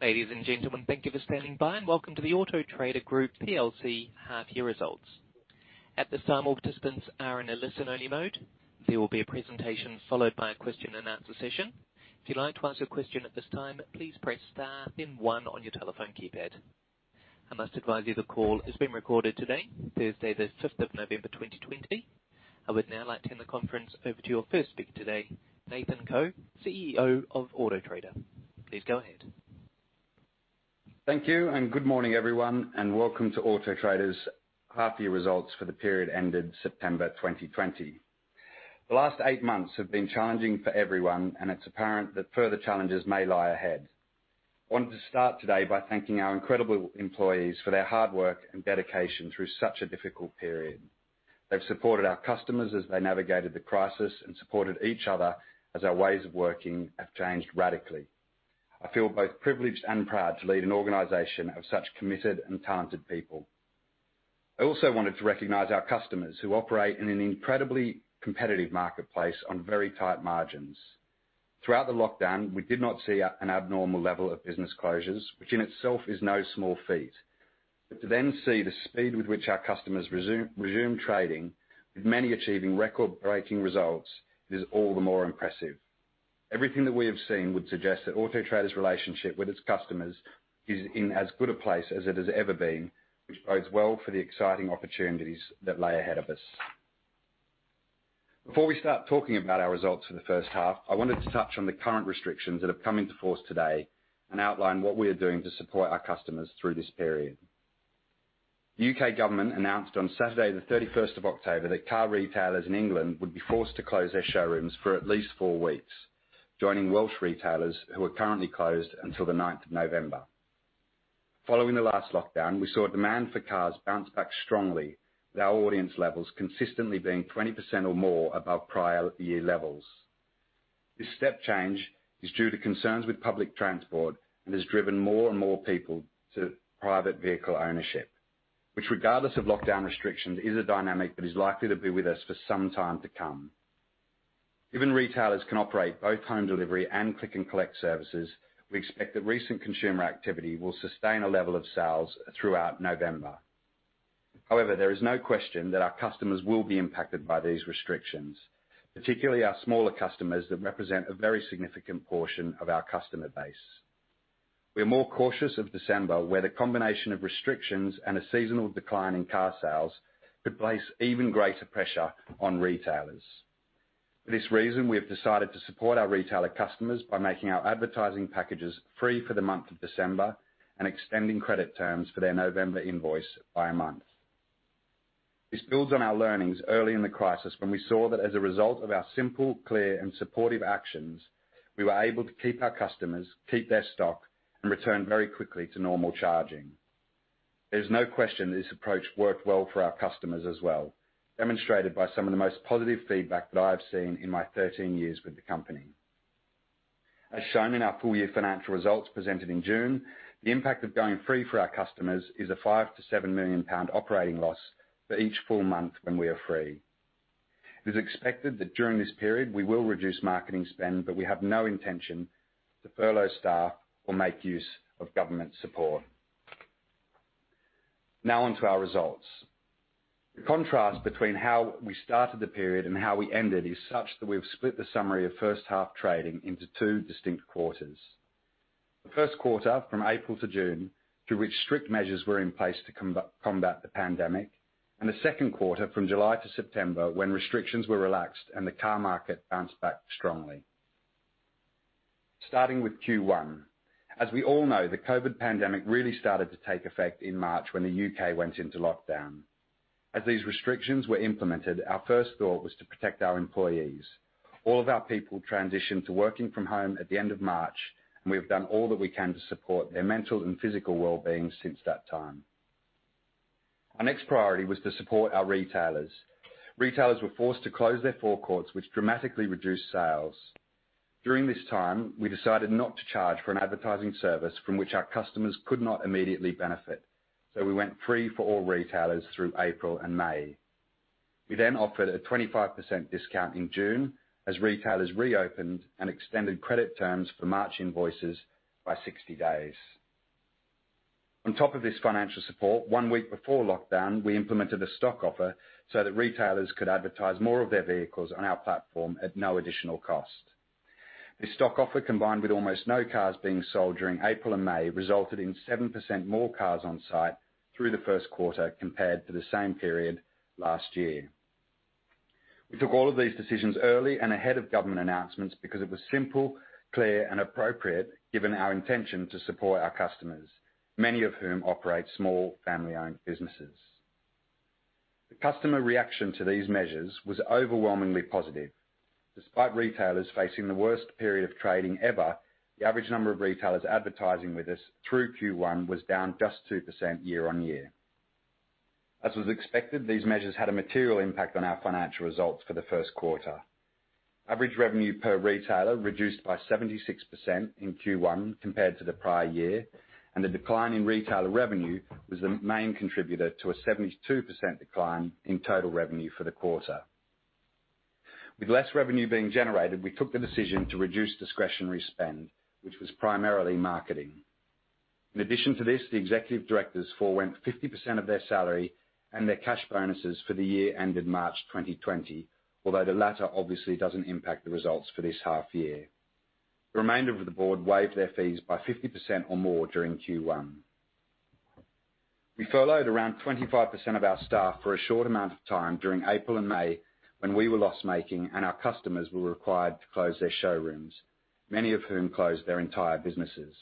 I would now like to turn the conference over to your first speaker today, Nathan Coe, CEO of Autotrader. Please go ahead. Thank you. Good morning, everyone, and welcome to Autotrader's half-year results for the period ending September 2020. The last eight months have been challenging for everyone. It's apparent that further challenges may lie ahead. I wanted to start today by thanking our incredible employees for their hard work and dedication through such a difficult period. They've supported our customers as they navigated the crisis. Supported each other as our ways of working have changed radically. I feel both privileged and proud to lead an organization of such committed and talented people. I also wanted to recognize our customers who operate in an incredibly competitive marketplace on very tight margins. Throughout the lockdown, we did not see an abnormal level of business closures, which in itself is no small feat. To see the speed with which our customers resumed trading, with many achieving record-breaking results, is all the more impressive. Everything that we have seen would suggest that Autotrader's relationship with its customers is in as good a place as it has ever been, which bodes well for the exciting opportunities that lie ahead of us. Before we start talking about our results for the first half, I wanted to touch on the current restrictions that have come into force today and outline what we are doing to support our customers through this period. The U.K. government announced on Saturday the 31st of October that car retailers in England would be forced to close their showrooms for at least four weeks, joining Welsh retailers who are currently closed until the 9th of November. Following the last lockdown, we saw demand for cars bounce back strongly. Our audience levels consistently being 20% or more above prior year levels. This step change is due to concerns with public transport and has driven more and more people to private vehicle ownership. Which, regardless of lockdown restrictions, is a dynamic that is likely to be with us for some time to come. Given retailers can operate both home delivery and click and collect services, we expect that recent consumer activity will sustain a level of sales throughout November. However, there is no question that our customers will be impacted by these restrictions, particularly our smaller customers that represent a very significant portion of our customer base. We are more cautious of December, where the combination of restrictions and a seasonal decline in car sales could place even greater pressure on retailers. For this reason, we have decided to support our retailer customers by making our advertising packages free for the month of December and extending credit terms for their November invoice by a month. This builds on our learnings early in the crisis when we saw that as a result of our simple, clear, and supportive actions, we were able to keep our customers, keep their stock, and return very quickly to normal charging. There is no question that this approach worked well for our customers as well, demonstrated by some of the most positive feedback that I have seen in my 13 years with the company. As shown in our full-year financial results presented in June, the impact of going free for our customers is a 5 million-7 million pound operating loss for each full month when we are free. It is expected that during this period we will reduce marketing spend, but we have no intention to furlough staff or make use of government support. Onto our results. The contrast between how we started the period and how we ended is such that we've split the summary of first half trading into two distinct quarters. The first quarter, from April to June, through which strict measures were in place to combat the pandemic, and the second quarter, from July to September, when restrictions were relaxed and the car market bounced back strongly. Starting with Q1, as we all know, the COVID pandemic really started to take effect in March when the U.K. went into lockdown. As these restrictions were implemented, our first thought was to protect our employees. All of our people transitioned to working from home at the end of March, and we have done all that we can to support their mental and physical well-being since that time. Our next priority was to support our retailers. Retailers were forced to close their forecourts, which dramatically reduced sales. During this time, we decided not to charge for an advertising service from which our customers could not immediately benefit, so we went free for all retailers through April and May. We then offered a 25% discount in June as retailers reopened and extended credit terms for March invoices by 60 days. On top of this financial support, one week before lockdown, we implemented a stock offer so that retailers could advertise more of their vehicles on our platform at no additional cost. This stock offer, combined with almost no cars being sold during April and May, resulted in 7% more cars on site through the first quarter compared to the same period last year. We took all of these decisions early and ahead of government announcements because it was simple, clear, and appropriate given our intention to support our customers, many of whom operate small family-owned businesses. The customer reaction to these measures was overwhelmingly positive. Despite retailers facing the worst period of trading ever, the average number of retailers advertising with us through Q1 was down just 2% year-on-year. As was expected, these measures had a material impact on our financial results for the first quarter. Average revenue per retailer reduced by 76% in Q1 compared to the prior year, and the decline in retailer revenue was the main contributor to a 72% decline in total revenue for the quarter. With less revenue being generated, we took the decision to reduce discretionary spend, which was primarily marketing. In addition to this, the executive directors forewent 50% of their salary and their cash bonuses for the year ended March 2020, although the latter obviously doesn't impact the results for this half year. The remainder of the board waived their fees by 50% or more during Q1. We furloughed around 25% of our staff for a short amount of time during April and May, when we were loss-making and our customers were required to close their showrooms, many of whom closed their entire businesses.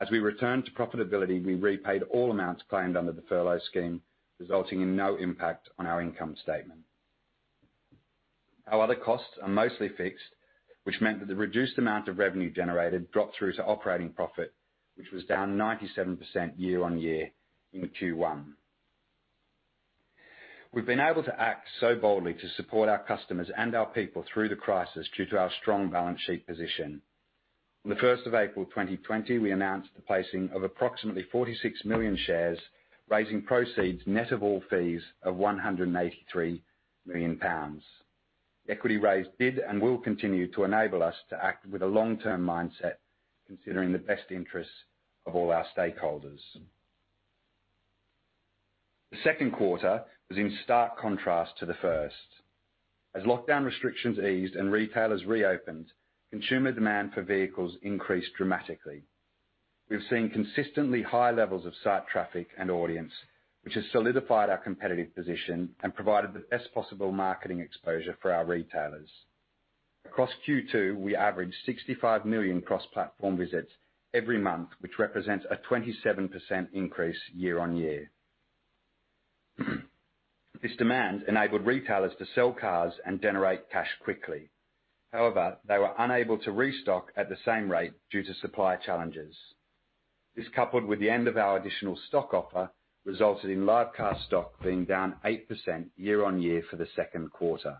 As we returned to profitability, we repaid all amounts claimed under the furlough scheme, resulting in no impact on our income statement. Our other costs are mostly fixed, which meant that the reduced amount of revenue generated dropped through to operating profit, which was down 97% year-on-year in the Q1. We've been able to act so boldly to support our customers and our people through the crisis due to our strong balance sheet position. On the 1st of April 2020, we announced the placing of approximately 46 million shares, raising proceeds net of all fees of 183 million pounds. Equity raise did and will continue to enable us to act with a long-term mindset, considering the best interests of all our stakeholders. The second quarter was in stark contrast to the first. As lockdown restrictions eased and retailers reopened, consumer demand for vehicles increased dramatically. We've seen consistently high levels of site traffic and audience, which has solidified our competitive position and provided the best possible marketing exposure for our retailers. Across Q2, we averaged 65 million cross-platform visits every month, which represents a 27% increase year-on-year. This demand enabled retailers to sell cars and generate cash quickly. However, they were unable to restock at the same rate due to supply challenges. This, coupled with the end of our additional stock offer, resulted in live car stock being down 8% year-on-year for the second quarter.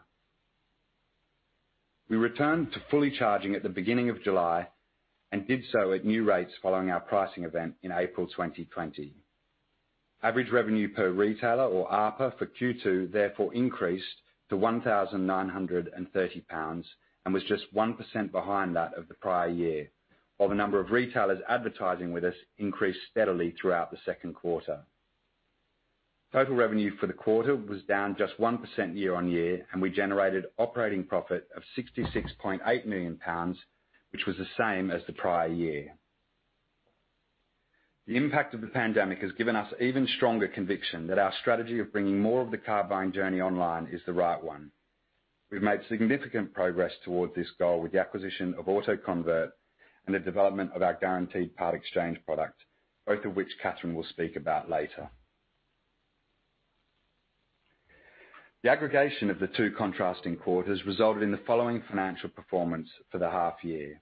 We returned to fully charging at the beginning of July and did so at new rates following our pricing event in April 2020. Average revenue per retailer, or ARPR, for Q2 therefore increased to 1,930 pounds and was just 1% behind that of the prior year, while the number of retailers advertising with us increased steadily throughout the second quarter. Total revenue for the quarter was down just 1% year-on-year. We generated operating profit of 66.8 million pounds, which was the same as the prior year. The impact of the pandemic has given us even stronger conviction that our strategy of bringing more of the car buying journey online is the right one. We've made significant progress towards this goal with the acquisition of AutoConvert and the development of our Guaranteed Part-Exchange product, both of which Catherine will speak about later. The aggregation of the two contrasting quarters resulted in the following financial performance for the half year.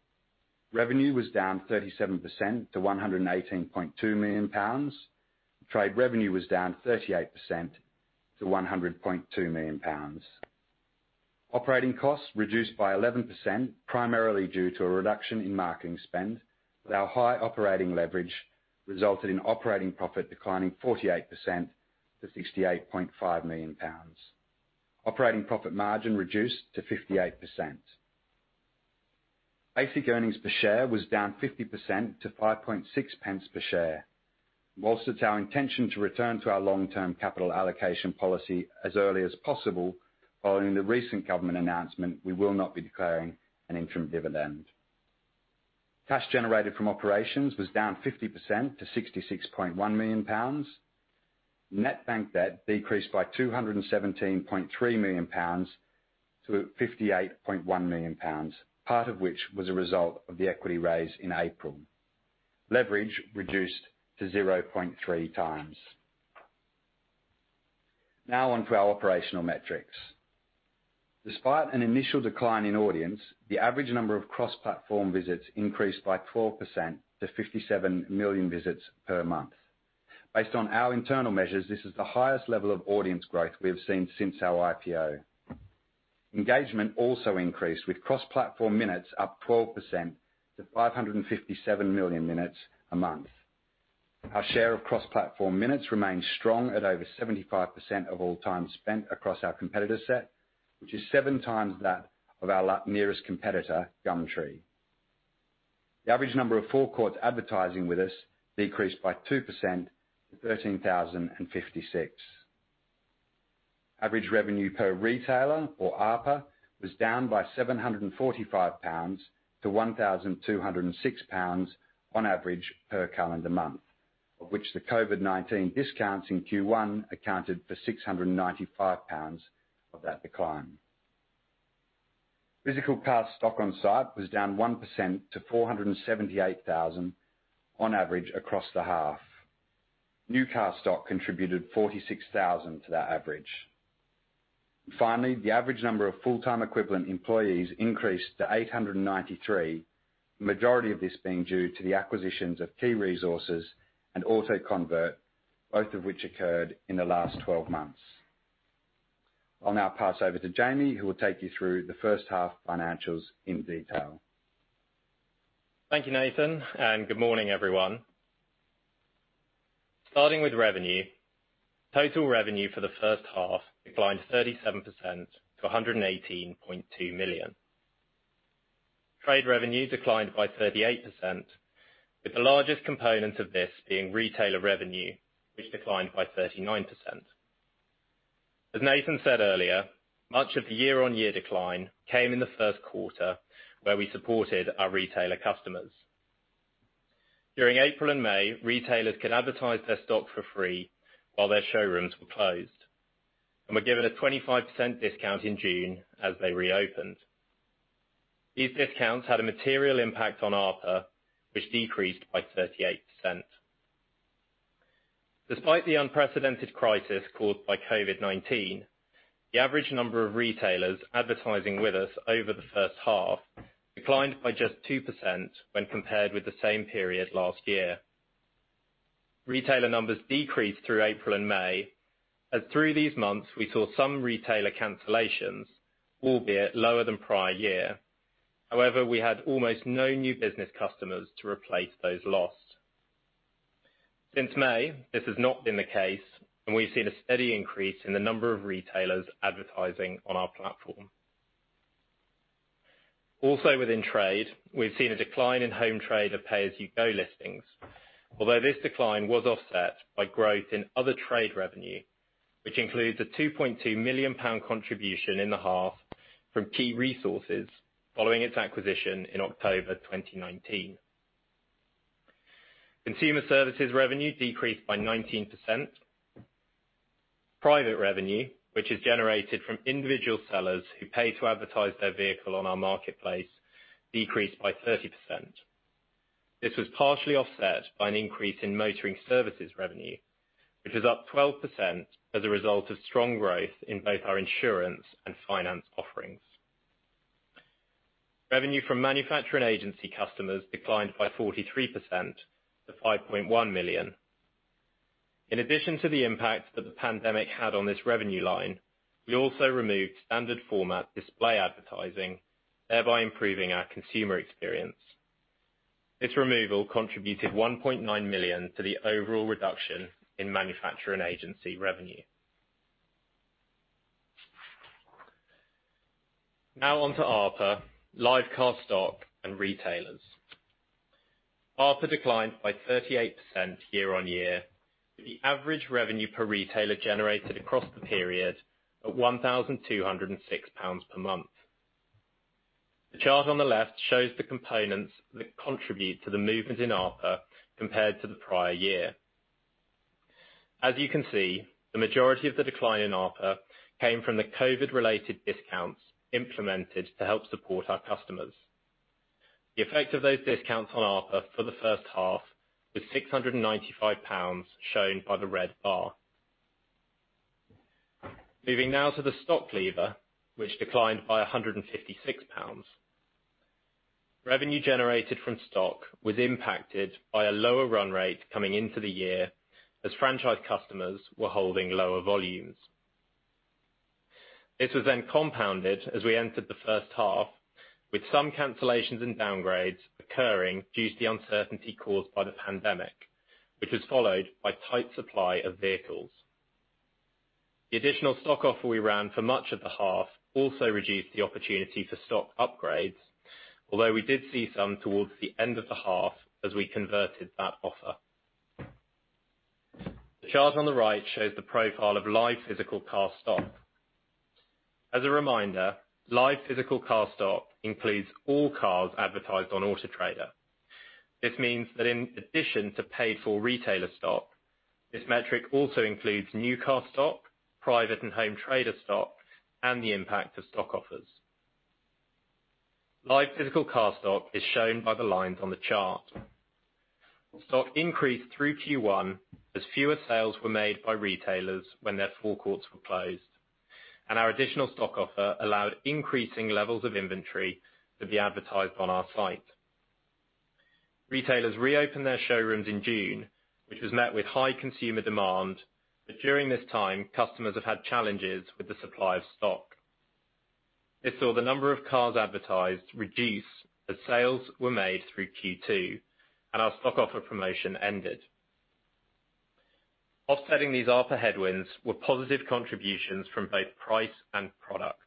Revenue was down 37% to 118.2 million pounds. Trade revenue was down 38% to 100.2 million pounds. Operating costs reduced by 11%, primarily due to a reduction in marketing spend, with our high operating leverage resulting in operating profit declining 48% to 68.5 million pounds. Operating profit margin reduced to 58%. Basic earnings per share was down 50% to 0.056 per share. Whilst it's our intention to return to our long-term capital allocation policy as early as possible, following the recent government announcement, we will not be declaring an interim dividend. Cash generated from operations was down 50% to 66.1 million pounds. Net bank debt decreased by 217.3 million pounds to 58.1 million pounds, part of which was a result of the equity raise in April. Leverage reduced to 0.3 times. Onto our operational metrics. Despite an initial decline in audience, the average number of cross-platform visits increased by 12% to 57 million visits per month. Based on our internal measures, this is the highest level of audience growth we have seen since our IPO. Engagement also increased, with cross-platform minutes up 12% to 557 million minutes a month. Our share of cross-platform minutes remains strong at over 75% of all time spent across our competitor set, which is seven times that of our nearest competitor, Gumtree. The average number of forecourts advertising with us decreased by 2% to 13,056. Average revenue per retailer, or ARPR, was down by 745 pounds to 1,206 pounds on average per calendar month, of which the COVID-19 discounts in Q1 accounted for 695 pounds of that decline. Physical car stock on site was down 1% to 478,000 on average across the half. New car stock contributed 46,000 to that average. Finally, the average number of full-time equivalent employees increased to 893, the majority of this being due to the acquisitions of KeeResources and AutoConvert, both of which occurred in the last 12 months. I'll now pass over to Jamie, who will take you through the first half financials in detail. Thank you, Nathan, and good morning, everyone. Starting with revenue, total revenue for the first half declined 37% to 118.2 million. Trade revenue declined by 38%, with the largest component of this being retailer revenue, which declined by 39%. As Nathan said earlier, much of the year-on-year decline came in the first quarter, where we supported our retailer customers. During April and May, retailers could advertise their stock for free while their showrooms were closed, and were given a 25% discount in June as they reopened. These discounts had a material impact on ARPR, which decreased by 38%. Despite the unprecedented crisis caused by COVID-19, the average number of retailers advertising with us over the first half declined by just 2% when compared with the same period last year. Retailer numbers decreased through April and May, as through these months we saw some retailer cancellations, albeit lower than prior year. We had almost no new business customers to replace those lost. Since May, this has not been the case. We've seen a steady increase in the number of retailers advertising on our platform. Within trade, we've seen a decline in home trader pay-as-you-go listings. This decline was offset by growth in other trade revenue, which includes a 2.2 million pound contribution in the half from KeeResources following its acquisition in October 2019. Consumer services revenue decreased by 19%. Private revenue, which is generated from individual sellers who pay to advertise their vehicle on our marketplace, decreased by 30%. This was partially offset by an increase in motoring services revenue, which is up 12% as a result of strong growth in both our insurance and finance offerings. Revenue from manufacturer and agency customers declined by 43% to 5.1 million. In addition to the impact that the pandemic had on this revenue line, we also removed standard format display advertising, thereby improving our consumer experience. This removal contributed 1.9 million to the overall reduction in manufacturer and agency revenue. Now on to ARPR, live car stock, and retailers. ARPR declined by 38% year-on-year, with the average revenue per retailer generated across the period at GBP 1,206 per month. The chart on the left shows the components that contribute to the movement in ARPR compared to the prior year. As you can see, the majority of the decline in ARPR came from the COVID-related discounts implemented to help support our customers. The effect of those discounts on ARPR for the first half was 695 pounds, shown by the red bar. Moving now to the stock lever, which declined by 156 pounds. Revenue generated from stock was impacted by a lower run rate coming into the year as franchise customers were holding lower volumes. This was then compounded as we entered the first half, with some cancellations and downgrades occurring due to the uncertainty caused by the pandemic, which was followed by tight supply of vehicles. The additional stock offer we ran for much of the half also reduced the opportunity for stock upgrades, although we did see some towards the end of the half as we converted that offer. The chart on the right shows the profile of live physical car stock. As a reminder, live physical car stock includes all cars advertised on Autotrader. This means that in addition to paid-for retailer stock, this metric also includes new car stock, private and home trader stock, and the impact of stock offers. Live physical car stock is shown by the lines on the chart. Stock increased through Q1 as fewer sales were made by retailers when their forecourts were closed, and our additional stock offer allowed increasing levels of inventory to be advertised on our site. Retailers reopened their showrooms in June, which was met with high consumer demand, but during this time, customers have had challenges with the supply of stock. This saw the number of cars advertised reduce as sales were made through Q2, and our stock offer promotion ended. Offsetting these ARPR headwinds were positive contributions from both price and product.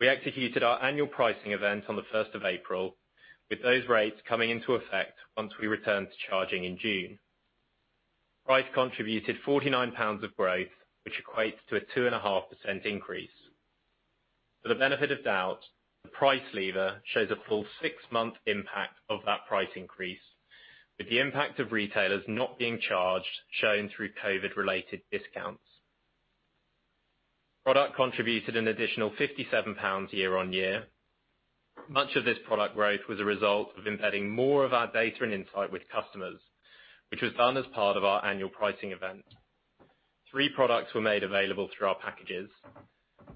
We executed our annual pricing event on the 1st of April, with those rates coming into effect once we returned to charging in June. Price contributed 49 pounds of growth, which equates to a 2.5% increase. For the benefit of doubt, the price lever shows a full six-month impact of that price increase, with the impact of retailers not being charged shown through COVID-related discounts. Product contributed an additional 57 pounds year-on-year. Much of this product growth was a result of embedding more of our data and insight with customers, which was done as part of our annual pricing event. Three products were made available through our packages.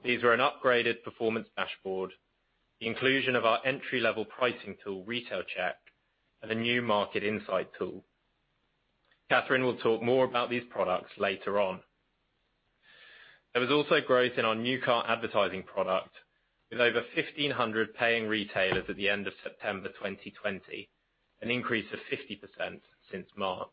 These were an upgraded performance dashboard, the inclusion of our entry-level pricing tool, Retail Check, and a new market insight tool. Catherine will talk more about these products later on. There was also growth in our new car advertising product with over 1,500 paying retailers at the end of September 2020, an increase of 50% since March.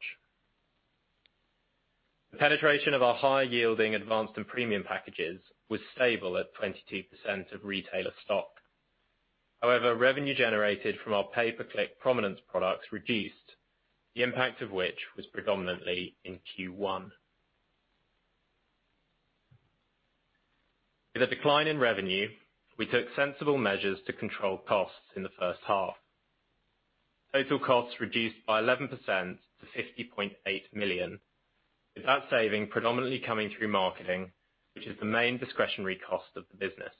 The penetration of our high-yielding advanced and premium packages was stable at 22% of retailer stock. However, revenue generated from our pay-per-click prominence products reduced, the impact of which was predominantly in Q1. With a decline in revenue, we took sensible measures to control costs in the first half. Total costs reduced by 11% to 50.8 million, with that saving predominantly coming through marketing, which is the main discretionary cost of the business.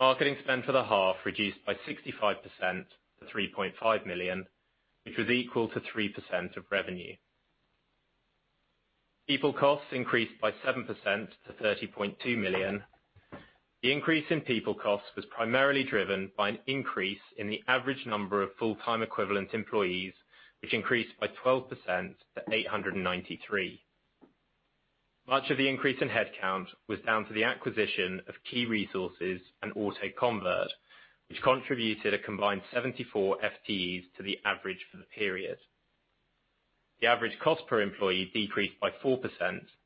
Marketing spend for the half reduced by 65% to 3.5 million, which was equal to 3% of revenue. People costs increased by 7% to 30.2 million. The increase in people cost was primarily driven by an increase in the average number of full-time equivalent employees, which increased by 12% to 893. Much of the increase in headcount was down to the acquisition of KeeResources and AutoConvert, which contributed a combined 74 FTEs to the average for the period. The average cost per employee decreased by 4%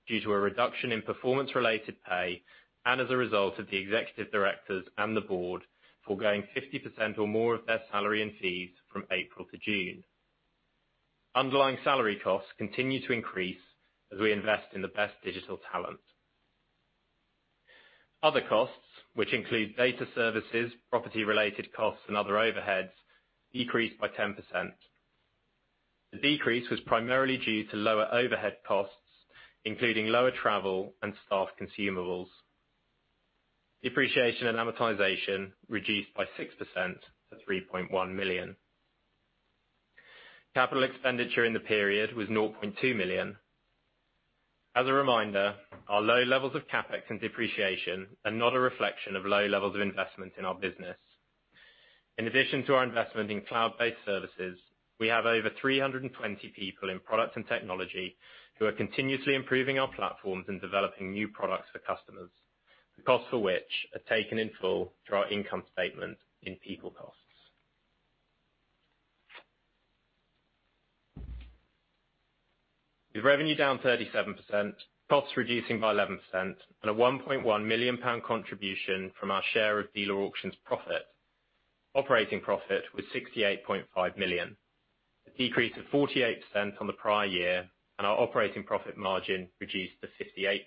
due to a reduction in performance-related pay, and as a result of the executive directors and the board foregoing 50% or more of their salary and fees from April to June. Underlying salary costs continue to increase as we invest in the best digital talent. Other costs, which include data services, property-related costs, and other overheads, decreased by 10%. The decrease was primarily due to lower overhead costs, including lower travel and staff consumables. Depreciation and amortization reduced by 6% to 3.1 million. Capital expenditure in the period was 0.2 million. As a reminder, our low levels of CapEx and depreciation are not a reflection of low levels of investment in our business. In addition to our investment in cloud-based services, we have over 320 people in product and technology who are continuously improving our platforms and developing new products for customers, the cost for which are taken in full through our income statement in people costs. With revenue down 37%, costs reducing by 11%, and a 1.1 million pound contribution from our share of Dealer Auction's profit, operating profit was 68.5 million. A decrease of 48% on the prior year, and our operating profit margin reduced to 58%.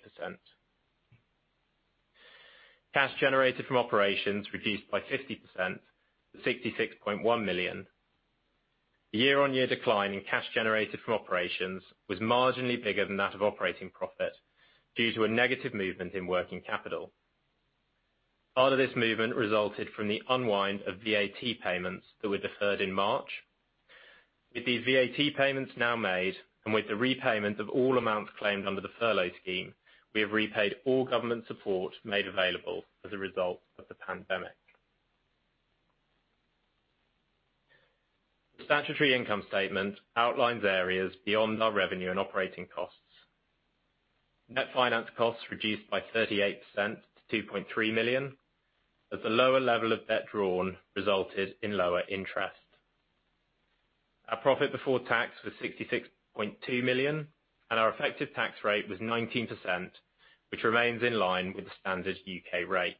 Cash generated from operations reduced by 50% to 66.1 million. The year-on-year decline in cash generated from operations was marginally bigger than that of operating profit due to a negative movement in working capital. Part of this movement resulted from the unwind of VAT payments that were deferred in March. With these VAT payments now made, and with the repayment of all amounts claimed under the furlough scheme, we have repaid all government support made available as a result of the pandemic. The statutory income statement outlines areas beyond our revenue and operating costs. Net finance costs reduced by 38% to 2.3 million, as the lower level of debt drawn resulted in lower interest. Our profit before tax was 66.2 million, and our effective tax rate was 19%, which remains in line with the standard U.K. rate.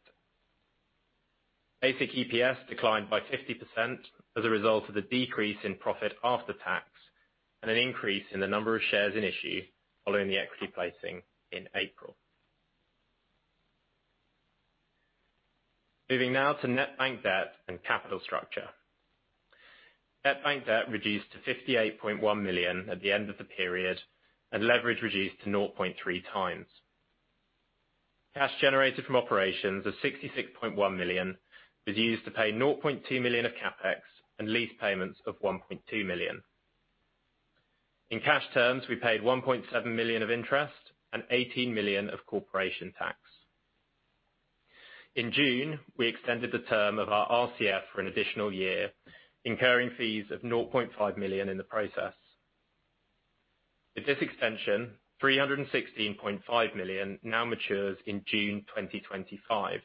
Basic EPS declined by 50% as a result of the decrease in profit after tax, and an increase in the number of shares in issue following the equity placing in April. Moving now to net bank debt and capital structure. Net bank debt reduced to 58.1 million at the end of the period, and leverage reduced to 0.3 times. Cash generated from operations of 66.1 million was used to pay 0.2 million of CapEx and lease payments of 1.2 million. In cash terms, we paid 1.7 million of interest and 18 million of corporation tax. In June, we extended the term of our RCF for an additional year, incurring fees of 0.5 million in the process. With this extension, 316.5 million now matures in June 2025, with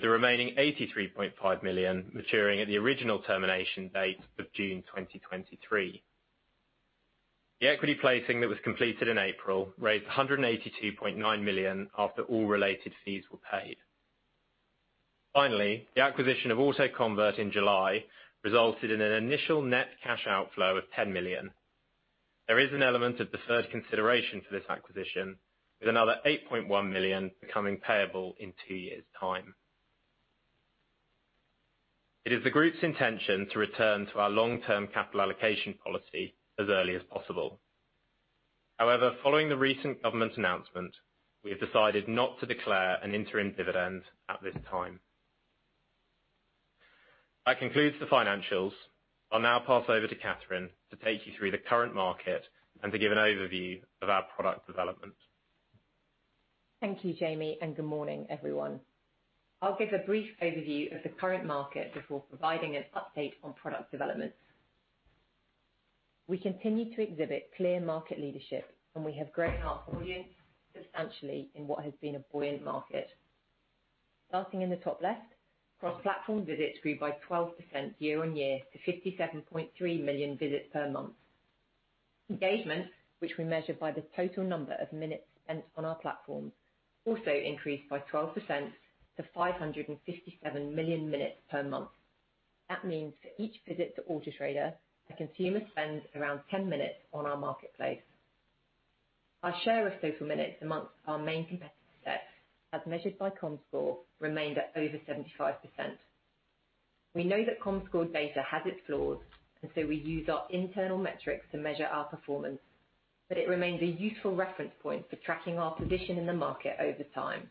the remaining 83.5 million maturing at the original termination date of June 2023. The equity placing that was completed in April raised 182.9 million after all related fees were paid. Finally, the acquisition of AutoConvert in July resulted in an initial net cash outflow of 10 million. There is an element of deferred consideration for this acquisition, with another 8.1 million becoming payable in two years' time. It is the group's intention to return to our long-term capital allocation policy as early as possible. However, following the recent government announcement, we have decided not to declare an interim dividend at this time. That concludes the financials. I'll now pass over to Catherine to take you through the current market and to give an overview of our product development. Thank you, Jamie, and good morning, everyone. I'll give a brief overview of the current market before providing an update on product development. We continue to exhibit clear market leadership, and we have grown our audience substantially in what has been a buoyant market. Starting in the top left, cross-platform visits grew by 12% year-on-year to 57.3 million visits per month. Engagement, which we measure by the total number of minutes spent on our platforms, also increased by 12% to 557 million minutes per month. That means for each visit to Autotrader, a consumer spends around 10 minutes on our marketplace. Our share of social minutes amongst our main competitive set, as measured by Comscore, remained at over 75%. We know that Comscore data has its flaws, and so we use our internal metrics to measure our performance. It remains a useful reference point for tracking our position in the market over time.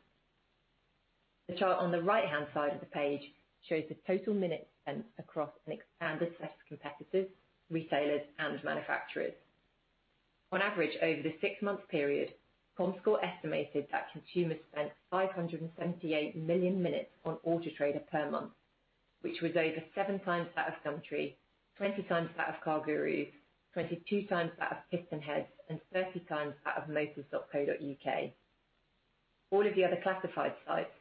The chart on the right-hand side of the page shows the total minutes spent across an expanded set of competitors, retailers, and manufacturers. On average, over the six-month period, Comscore estimated that consumers spent 578 million minutes on Autotrader per month, which was over seven times that of Gumtree, 20 times that of CarGurus, 22 times that of PistonHeads, and 30 times that of Motors.co.uk. All of the other classified sites,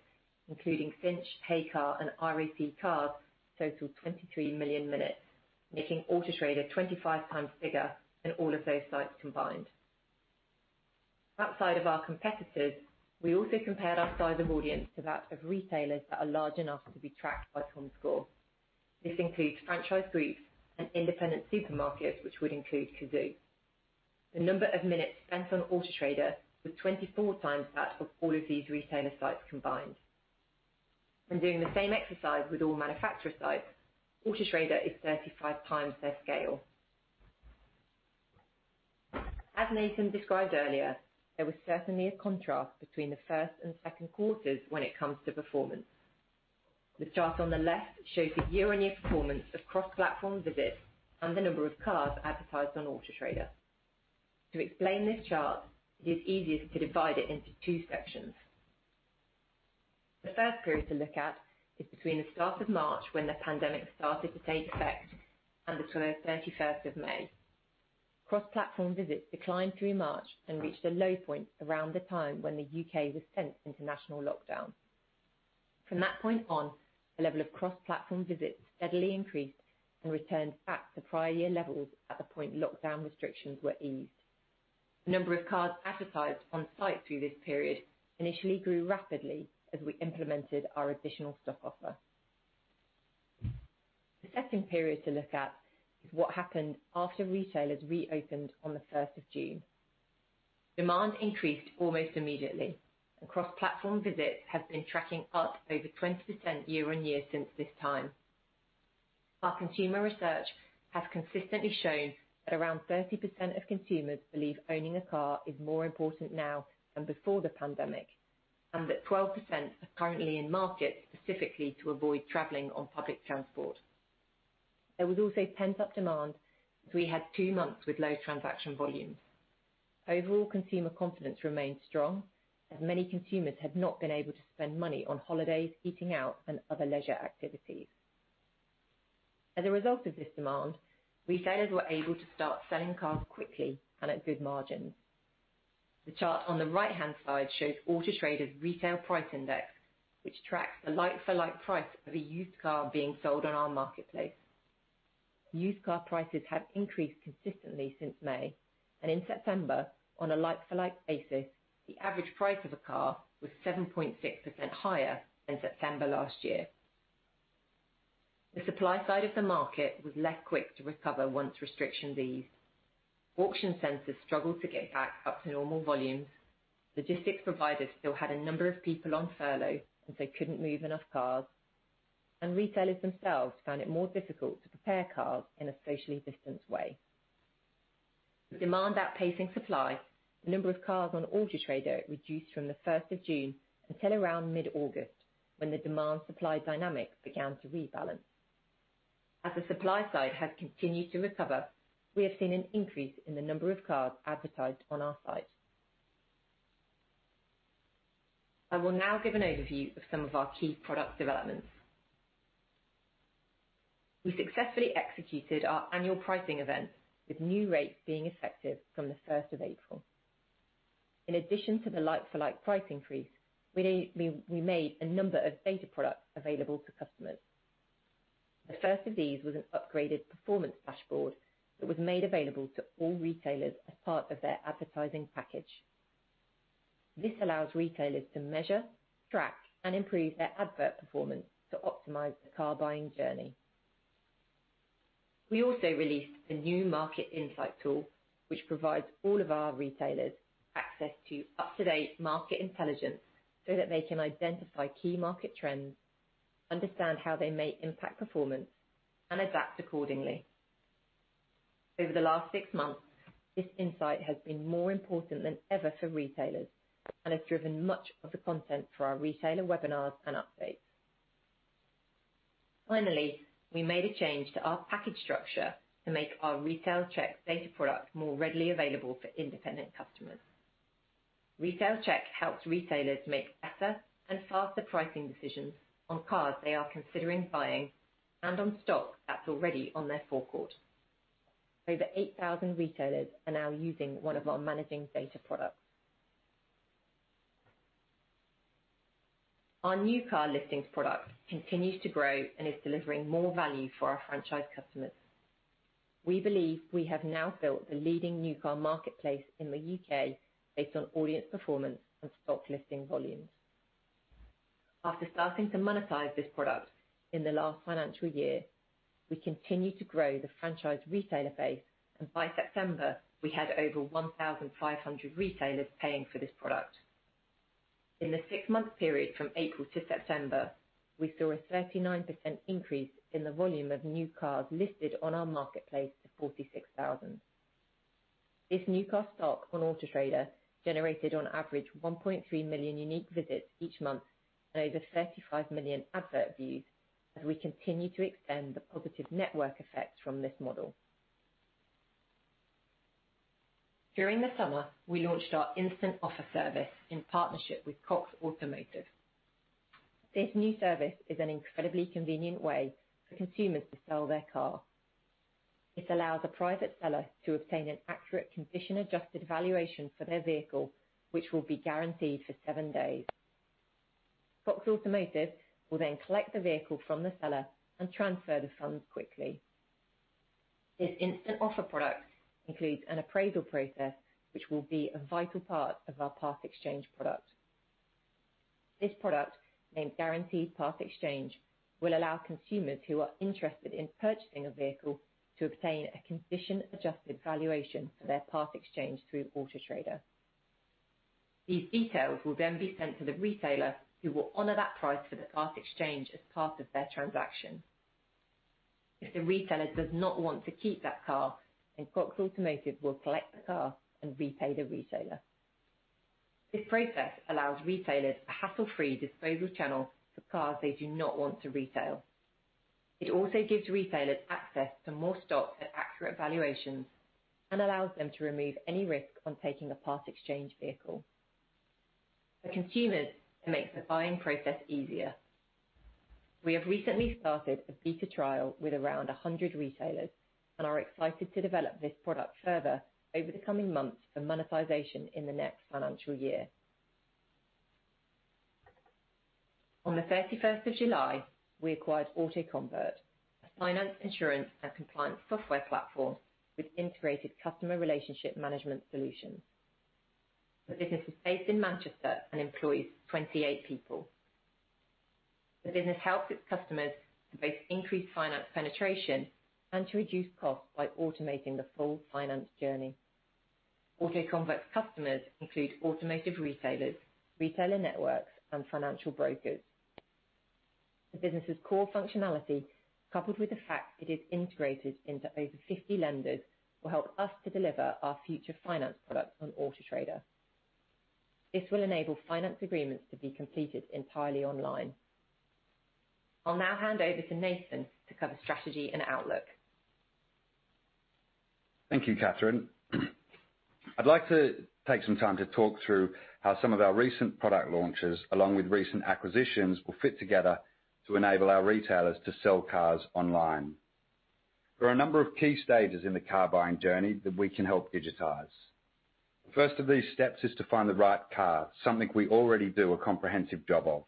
including Cinch, Heycar, and RAC Cars, total 23 million minutes, making Autotrader 25 times bigger than all of those sites combined. Outside of our competitors, we also compared our size of audience to that of retailers that are large enough to be tracked by Comscore. This includes franchise groups and independent supermarkets, which would include Cazoo. The number of minutes spent on Autotrader was 24 times that of all of these retailer sites combined. Doing the same exercise with all manufacturer sites, Autotrader is 35 times their scale. As Nathan described earlier, there was certainly a contrast between the first and second quarters when it comes to performance. The chart on the left shows the year-over-year performance of cross-platform visits and the number of cars advertised on Autotrader. To explain this chart, it is easiest to divide it into two sections. The first period to look at is between the start of March, when the pandemic started to take effect, and the 31st of May. Cross-platform visits declined through March and reached a low point around the time when the U.K. was sent into national lockdown. From that point on, the level of cross-platform visits steadily increased and returned back to prior year levels at the point lockdown restrictions were eased. The number of cars advertised on-site through this period initially grew rapidly as we implemented our additional stock offer. The second period to look at is what happened after retailers reopened on the 1st of June. Demand increased almost immediately, cross-platform visits have been tracking up over 20% year-on-year since this time. Our consumer research has consistently shown that around 30% of consumers believe owning a car is more important now than before the pandemic, and that 12% are currently in market specifically to avoid traveling on public transport. There was also pent-up demand, as we had two months with low transaction volumes. Overall, consumer confidence remained strong, as many consumers have not been able to spend money on holidays, eating out, and other leisure activities. As a result of this demand, retailers were able to start selling cars quickly and at good margins. The chart on the right-hand side shows Autotrader's Retail Price Index, which tracks the like-for-like price of a used car being sold on our marketplace. Used car prices have increased consistently since May, and in September, on a like-for-like basis, the average price of a car was 7.6% higher than September last year. The supply side of the market was less quick to recover once restrictions eased. Auction centers struggled to get back up to normal volumes. Logistics providers still had a number of people on furlough as they couldn't move enough cars, and retailers themselves found it more difficult to prepare cars in a socially distanced way. With demand outpacing supply, the number of cars on Autotrader reduced from the 1st of June until around mid-August, when the demand supply dynamics began to rebalance. As the supply side has continued to recover, we have seen an increase in the number of cars advertised on our site. I will now give an overview of some of our key product developments. We successfully executed our annual pricing event, with new rates being effective from the 1st of April. In addition to the like-for-like price increase, we made a number of data products available to customers. The first of these was an upgraded performance dashboard that was made available to all retailers as part of their advertising package. This allows retailers to measure, track, and improve their advert performance to optimize the car buying journey. We also released a new market insight tool, which provides all of our retailers access to up-to-date market intelligence so that they can identify key market trends, understand how they may impact performance, and adapt accordingly. Over the last six months, this insight has been more important than ever for retailers and has driven much of the content for our retailer webinars and updates. Finally, we made a change to our package structure to make our Retail Check data product more readily available for independent customers. Retail Check helps retailers make better and faster pricing decisions on cars they are considering buying and on stock that's already on their forecourt. Over 8,000 retailers are now using one of our managing data products. Our new car listings product continues to grow and is delivering more value for our franchise customers. We believe we have now built the leading new car marketplace in the U.K. based on audience performance and stock listing volumes. After starting to monetize this product in the last financial year, we continue to grow the franchise retailer base, and by September, we had over 1,500 retailers paying for this product. In the six-month period from April to September, we saw a 39% increase in the volume of new cars listed on our marketplace to 46,000. This new car stock on Autotrader generated on average 1.3 million unique visits each month and over 35 million advert views as we continue to extend the positive network effects from this model. During the summer, we launched our Instant Offer service in partnership with Cox Automotive. This new service is an incredibly convenient way for consumers to sell their car. This allows a private seller to obtain an accurate condition-adjusted valuation for their vehicle, which will be guaranteed for seven days. Cox Automotive will then collect the vehicle from the seller and transfer the funds quickly. This Instant Offer product includes an appraisal process, which will be a vital part of our part exchange product. This product, named Guaranteed Part-Exchange, will allow consumers who are interested in purchasing a vehicle to obtain a condition-adjusted valuation for their part-exchange through Autotrader. These details will then be sent to the retailer, who will honor that price for the part-exchange as part of their transaction. If the retailer does not want to keep that car, then Cox Automotive will collect the car and repay the retailer. This process allows retailers a hassle-free disposal channel for cars they do not want to retail. It also gives retailers access to more stock at accurate valuations and allows them to remove any risk on taking a part-exchange vehicle. For consumers, it makes the buying process easier. We have recently started a beta trial with around 100 retailers and are excited to develop this product further over the coming months for monetization in the next financial year. On the 31st of July, we acquired AutoConvert, a finance, insurance, and compliance software platform with integrated customer relationship management solutions. The business is based in Manchester and employs 28 people. The business helps its customers to both increase finance penetration and to reduce costs by automating the full finance journey. AutoConvert's customers include automotive retailers, retailer networks, and financial brokers. The business' core functionality, coupled with the fact it is integrated into over 50 lenders, will help us to deliver our future finance products on Autotrader. This will enable finance agreements to be completed entirely online. I'll now hand over to Nathan to cover strategy and outlook. Thank you, Catherine. I'd like to take some time to talk through how some of our recent product launches, along with recent acquisitions, will fit together to enable our retailers to sell cars online. There are a number of key stages in the car buying journey that we can help digitize. The first of these steps is to find the right car, something we already do a comprehensive job of.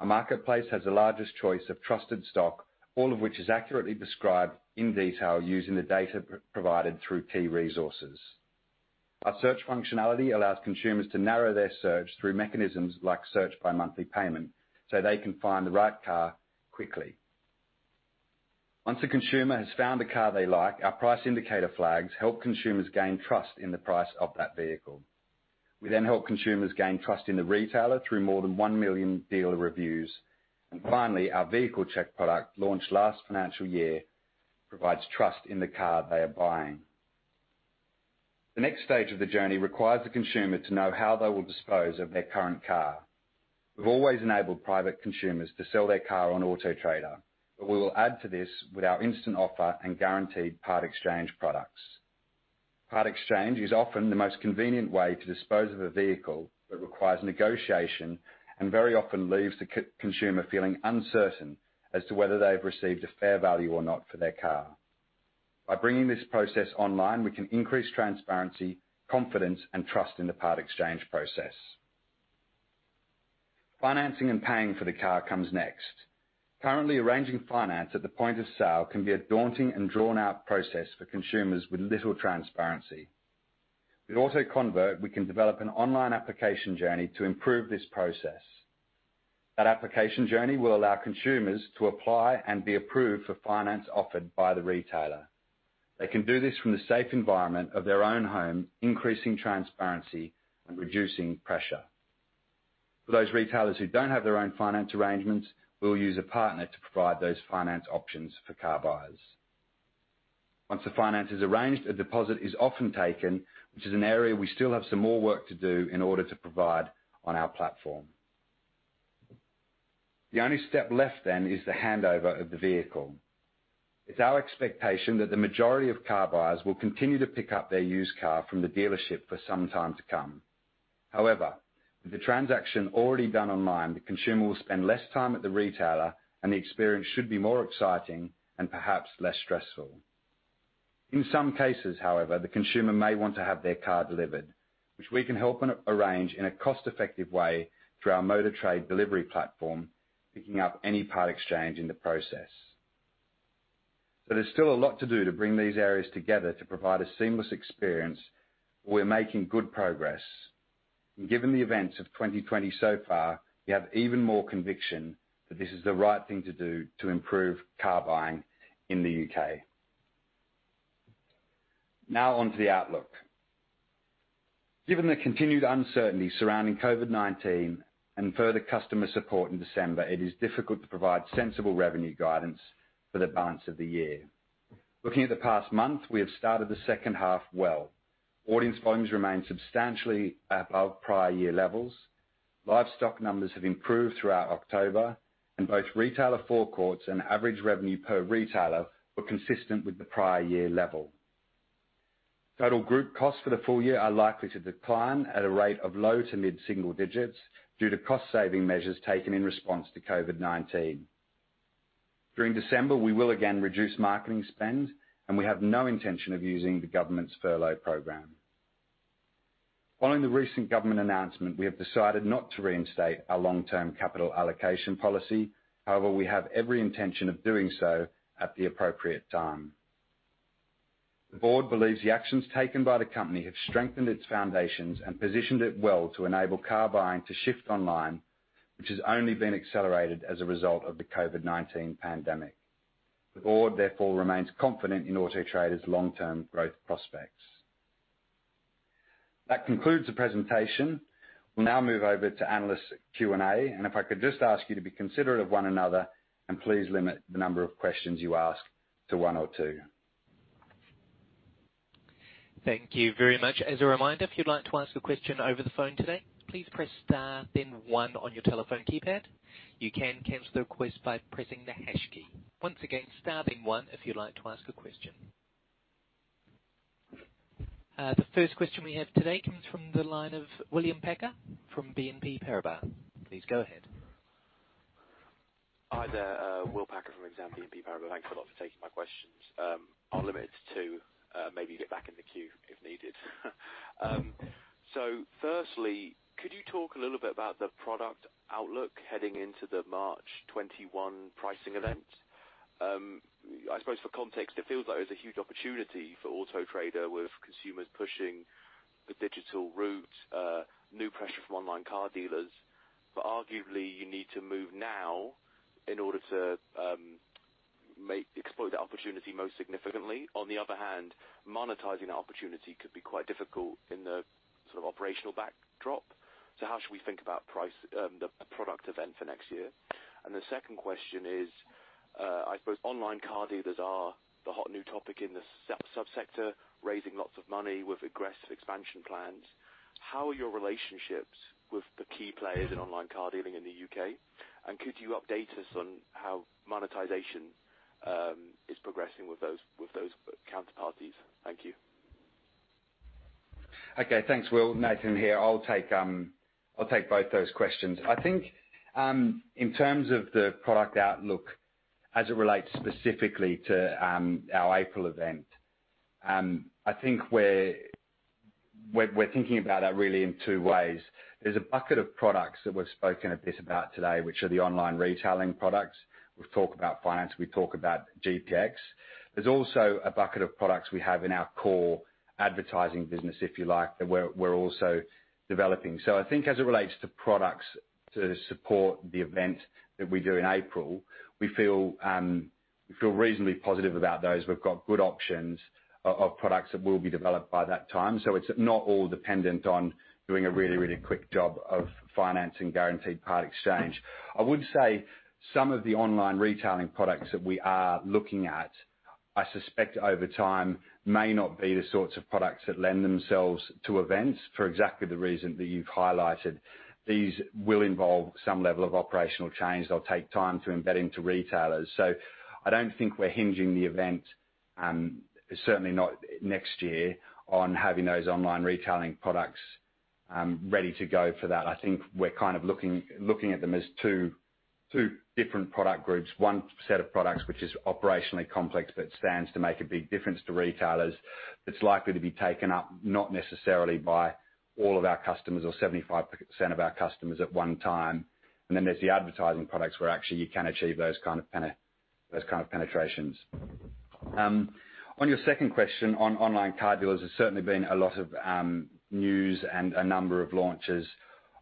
Our marketplace has the largest choice of trusted stock, all of which is accurately described in detail using the data provided through KeeResources. Our search functionality allows consumers to narrow their search through mechanisms like search by monthly payment so they can find the right car quickly. Once a consumer has found a car they like, our price indicator flags help consumers gain trust in the price of that vehicle. We then help consumers gain trust in the retailer through more than one million dealer reviews. Finally, our Vehicle Check product, launched last financial year, provides trust in the car they are buying. The next stage of the journey requires the consumer to know how they will dispose of their current car. We've always enabled private consumers to sell their car on Autotrader. We will add to this with our Instant Offer and Guaranteed Part-Exchange products. Part exchange is often the most convenient way to dispose of a vehicle that requires negotiation and very often leaves the consumer feeling uncertain as to whether they've received a fair value or not for their car. By bringing this process online, we can increase transparency, confidence, and trust in the part exchange process. Financing and paying for the car comes next. Currently, arranging finance at the point of sale can be a daunting and drawn-out process for consumers with little transparency. With AutoConvert, we can develop an online application journey to improve this process. That application journey will allow consumers to apply and be approved for finance offered by the retailer. They can do this from the safe environment of their own home, increasing transparency and reducing pressure. For those retailers who don't have their own finance arrangements, we will use a partner to provide those finance options for car buyers. Once the finance is arranged, a deposit is often taken, which is an area we still have some more work to do in order to provide on our platform. The only step left then is the handover of the vehicle. It's our expectation that the majority of car buyers will continue to pick up their used car from the dealership for some time to come. However, with the transaction already done online, the consumer will spend less time at the retailer, and the experience should be more exciting and perhaps less stressful. In some cases, however, the consumer may want to have their car delivered, which we can help arrange in a cost-effective way through our Motor Trade Delivery platform, picking up any part exchange in the process. There's still a lot to do to bring these areas together to provide a seamless experience. We're making good progress. Given the events of 2020 so far, we have even more conviction that this is the right thing to do to improve car buying in the U.K. Now on to the outlook. Given the continued uncertainty surrounding COVID-19 and further customer support in December, it is difficult to provide sensible revenue guidance for the balance of the year. Looking at the past month, we have started the second half well. Audience volumes remain substantially above prior year levels. Live stock numbers have improved throughout October, and both retailer forecourts and average revenue per retailer were consistent with the prior year level. Total group costs for the full year are likely to decline at a rate of low to mid-single digits due to cost-saving measures taken in response to COVID-19. During December, we will again reduce marketing spend, and we have no intention of using the government's furlough program. Following the recent government announcement, we have decided not to reinstate our long-term capital allocation policy. We have every intention of doing so at the appropriate time. The board believes the actions taken by the company have strengthened its foundations and positioned it well to enable car buying to shift online, which has only been accelerated as a result of the COVID-19 pandemic. The board, therefore, remains confident in Autotrader's long-term growth prospects. That concludes the presentation. We'll now move over to analyst Q and A, if I could just ask you to be considerate of one another and please limit the number of questions you ask to one or two. Thank you very much. As a reminder, if you'd like to ask a question over the phone today, please press star then one on your telephone keypad. You can cancel the request by pressing the hash key. Once again, star then one if you'd like to ask a question. The first question we have today comes from the line of William Packer from BNP Paribas. Please go ahead. Hi there, Will Packer from Exane BNP Paribas. Thanks a lot for taking my questions. I'll limit it to maybe get back in the queue if needed. Firstly, could you talk a little bit about the product outlook heading into the March 2021 pricing event? I suppose for context, it feels like there's a huge opportunity for Autotrader with consumers pushing the digital route, new pressure from online car retailers. Arguably, you need to move now in order to exploit that opportunity most significantly. On the other hand, monetizing that opportunity could be quite difficult in the sort of operational backdrop. How should we think about price, the product event for next year? The second question is, I suppose online car retailers are the hot new topic in the subsector, raising lots of money with aggressive expansion plans. How are your relationships with the key players in online car dealing in the U.K.? Could you update us on how monetization is progressing with those counterparties? Thank you. Okay. Thanks, Will. Nathan here. I'll take both those questions. I think in terms of the product outlook as it relates specifically to our April event, I think we're thinking about that really in two ways. There's a bucket of products that we've spoken a bit about today, which are the online retailing products. We've talked about finance, we've talked about GPX. There's also a bucket of products we have in our core advertising business, if you like, that we're also developing. I think as it relates to products to support the event that we do in April, we feel reasonably positive about those. We've got good options of products that will be developed by that time. It's not all dependent on doing a really, really quick job of finance and Guaranteed Part-Exchange. I would say some of the online retailing products that we are looking at, I suspect over time may not be the sorts of products that lend themselves to events for exactly the reason that you've highlighted. These will involve some level of operational change. They'll take time to embed into retailers. I don't think we're hinging the event, certainly not next year, on having those online retailing products ready to go for that. I think we're kind of looking at them as two different product groups. One set of products, which is operationally complex, but stands to make a big difference to retailers. That's likely to be taken up, not necessarily by all of our customers or 75% of our customers at one time. Then there's the advertising products where actually you can achieve those kind of penetrations. On your second question on online car dealers, there's certainly been a lot of news and a number of launches,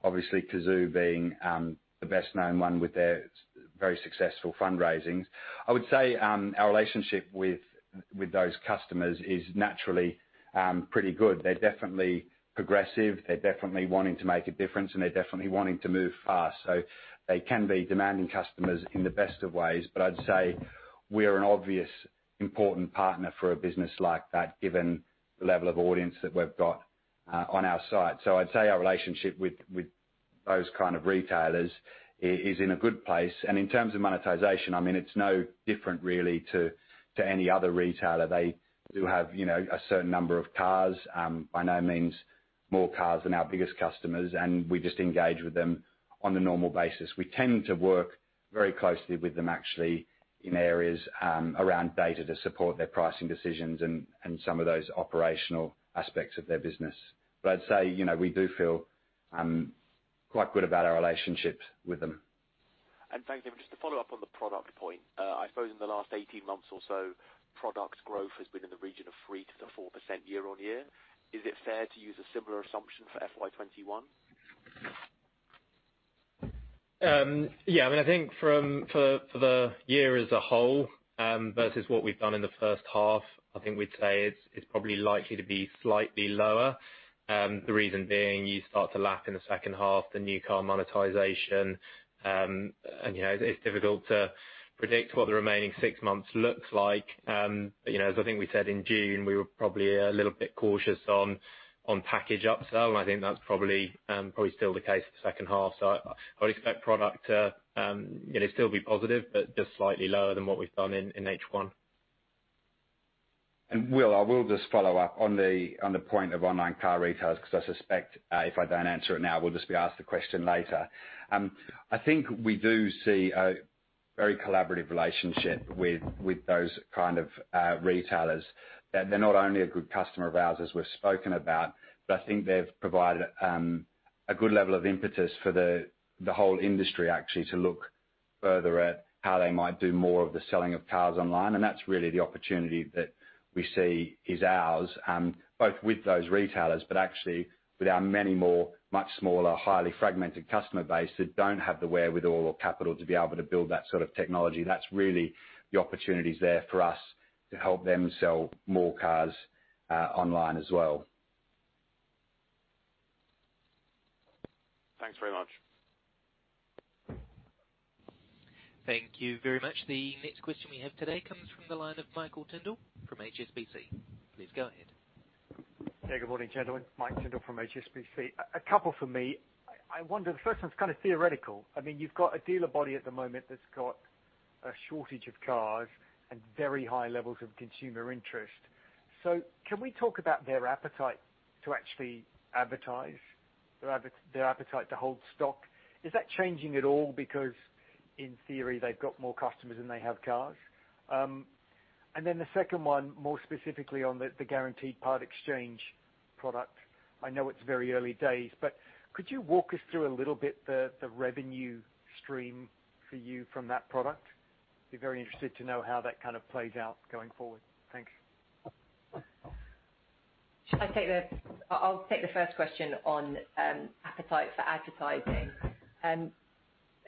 obviously Cazoo being the best-known one with their very successful fundraisings. I would say our relationship with those customers is naturally pretty good. They're definitely progressive, they're definitely wanting to make a difference, and they're definitely wanting to move fast. They can be demanding customers in the best of ways. I'd say we're an obvious important partner for a business like that, given the level of audience that we've got on our site. I'd say our relationship with those kind of retailers is in a good place. In terms of monetization, it's no different really to any other retailer. They do have a certain number of cars, by no means more cars than our biggest customers, and we just engage with them on a normal basis. We tend to work very closely with them, actually, in areas around data to support their pricing decisions and some of those operational aspects of their business. I'd say, we do feel quite good about our relationships with them. Thank you. Just to follow up on the product point. I suppose in the last 18 months or so, product growth has been in the region of 3%-4% year-on-year. Is it fair to use a similar assumption for FY 2021? Yeah. I think for the year as a whole, versus what we've done in the first half, I think we'd say it's probably likely to be slightly lower. The reason being, you start to lap in the second half the new car monetization. It's difficult to predict what the remaining six months looks like. As I think we said in June, we were probably a little bit cautious on package upsell, and I think that's probably still the case for the second half. I'd expect product to still be positive, but just slightly lower than what we've done in H1. Will, I will just follow up on the point of online car retailers, because I suspect if I don't answer it now, we'll just be asked the question later. I think we do see a very collaborative relationship with those kind of retailers. They're not only a good customer of ours, as we've spoken about, but I think they've provided a good level of impetus for the whole industry actually to look further at how they might do more of the selling of cars online. That's really the opportunity that we see is ours, both with those retailers, but actually with our many more, much smaller, highly fragmented customer base that don't have the wherewithal or capital to be able to build that sort of technology. That's really the opportunities there for us to help them sell more cars online as well. Thanks very much. Thank you very much. The next question we have today comes from the line of Michael Tyndall from HSBC. Please go ahead. Yeah. Good morning, gentlemen. Mike Tyndall from HSBC. A couple from me. I wonder, the first one's kind of theoretical. You've got a dealer body at the moment that's got a shortage of cars and very high levels of consumer interest. Can we talk about their appetite to actually advertise? Their appetite to hold stock. Is that changing at all because in theory, they've got more customers than they have cars? The second one, more specifically on the Guaranteed Part-Exchange product. I know it's very early days, but could you walk us through a little bit the revenue stream for you from that product? I'd be very interested to know how that kind of plays out going forward. Thanks. I'll take the first question on appetite for advertising.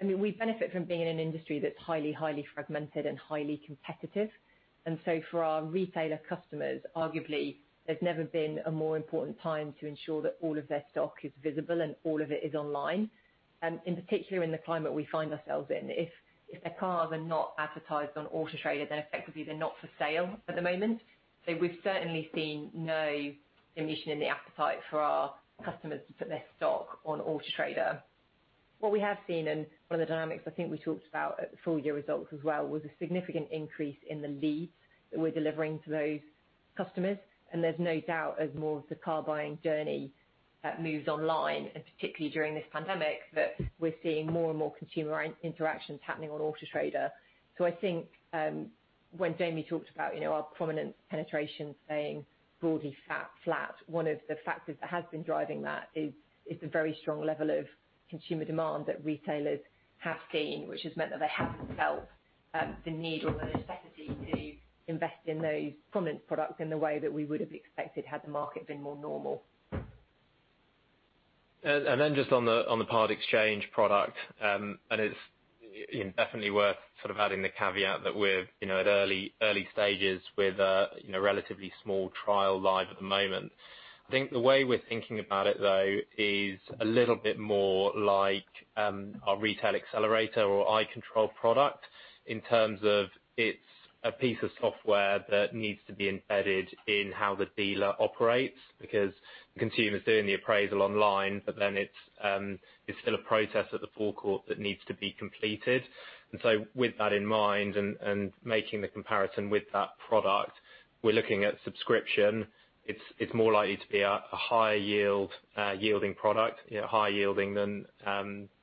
We benefit from being in an industry that's highly fragmented and highly competitive. For our retailer customers, arguably, there's never been a more important time to ensure that all of their stock is visible and all of it is online. In particular, in the climate we find ourselves in. If their cars are not advertised on Autotrader, then effectively they're not for sale at the moment. We've certainly seen no diminution in the appetite for our customers to put their stock on Autotrader. What we have seen, and one of the dynamics I think we talked about at the full year results as well, was a significant increase in the leads that we're delivering to those customers. There's no doubt, as more of the car buying journey moves online, and particularly during this pandemic, that we're seeing more and more consumer interactions happening on Autotrader. I think, when Jamie talked about our prominent penetration staying broadly flat, one of the factors that has been driving that is the very strong level of consumer demand that retailers have seen, which has meant that they haven't felt the need or the necessity to invest in those prominence products in the way that we would have expected had the market been more normal. Just on the Part-Exchange product, and it’s definitely worth sort of adding the caveat that we’re at early stages with a relatively small trial live at the moment. I think the way we’re thinking about it, though, is a little bit more like our Retail Accelerator or i-Control product, in terms of it’s a piece of software that needs to be embedded in how the dealer operates because the consumer’s doing the appraisal online, but then it’s still a process at the forecourt that needs to be completed. So with that in mind and making the comparison with that product, we’re looking at subscription. It’s more likely to be a higher yielding product. Higher yielding than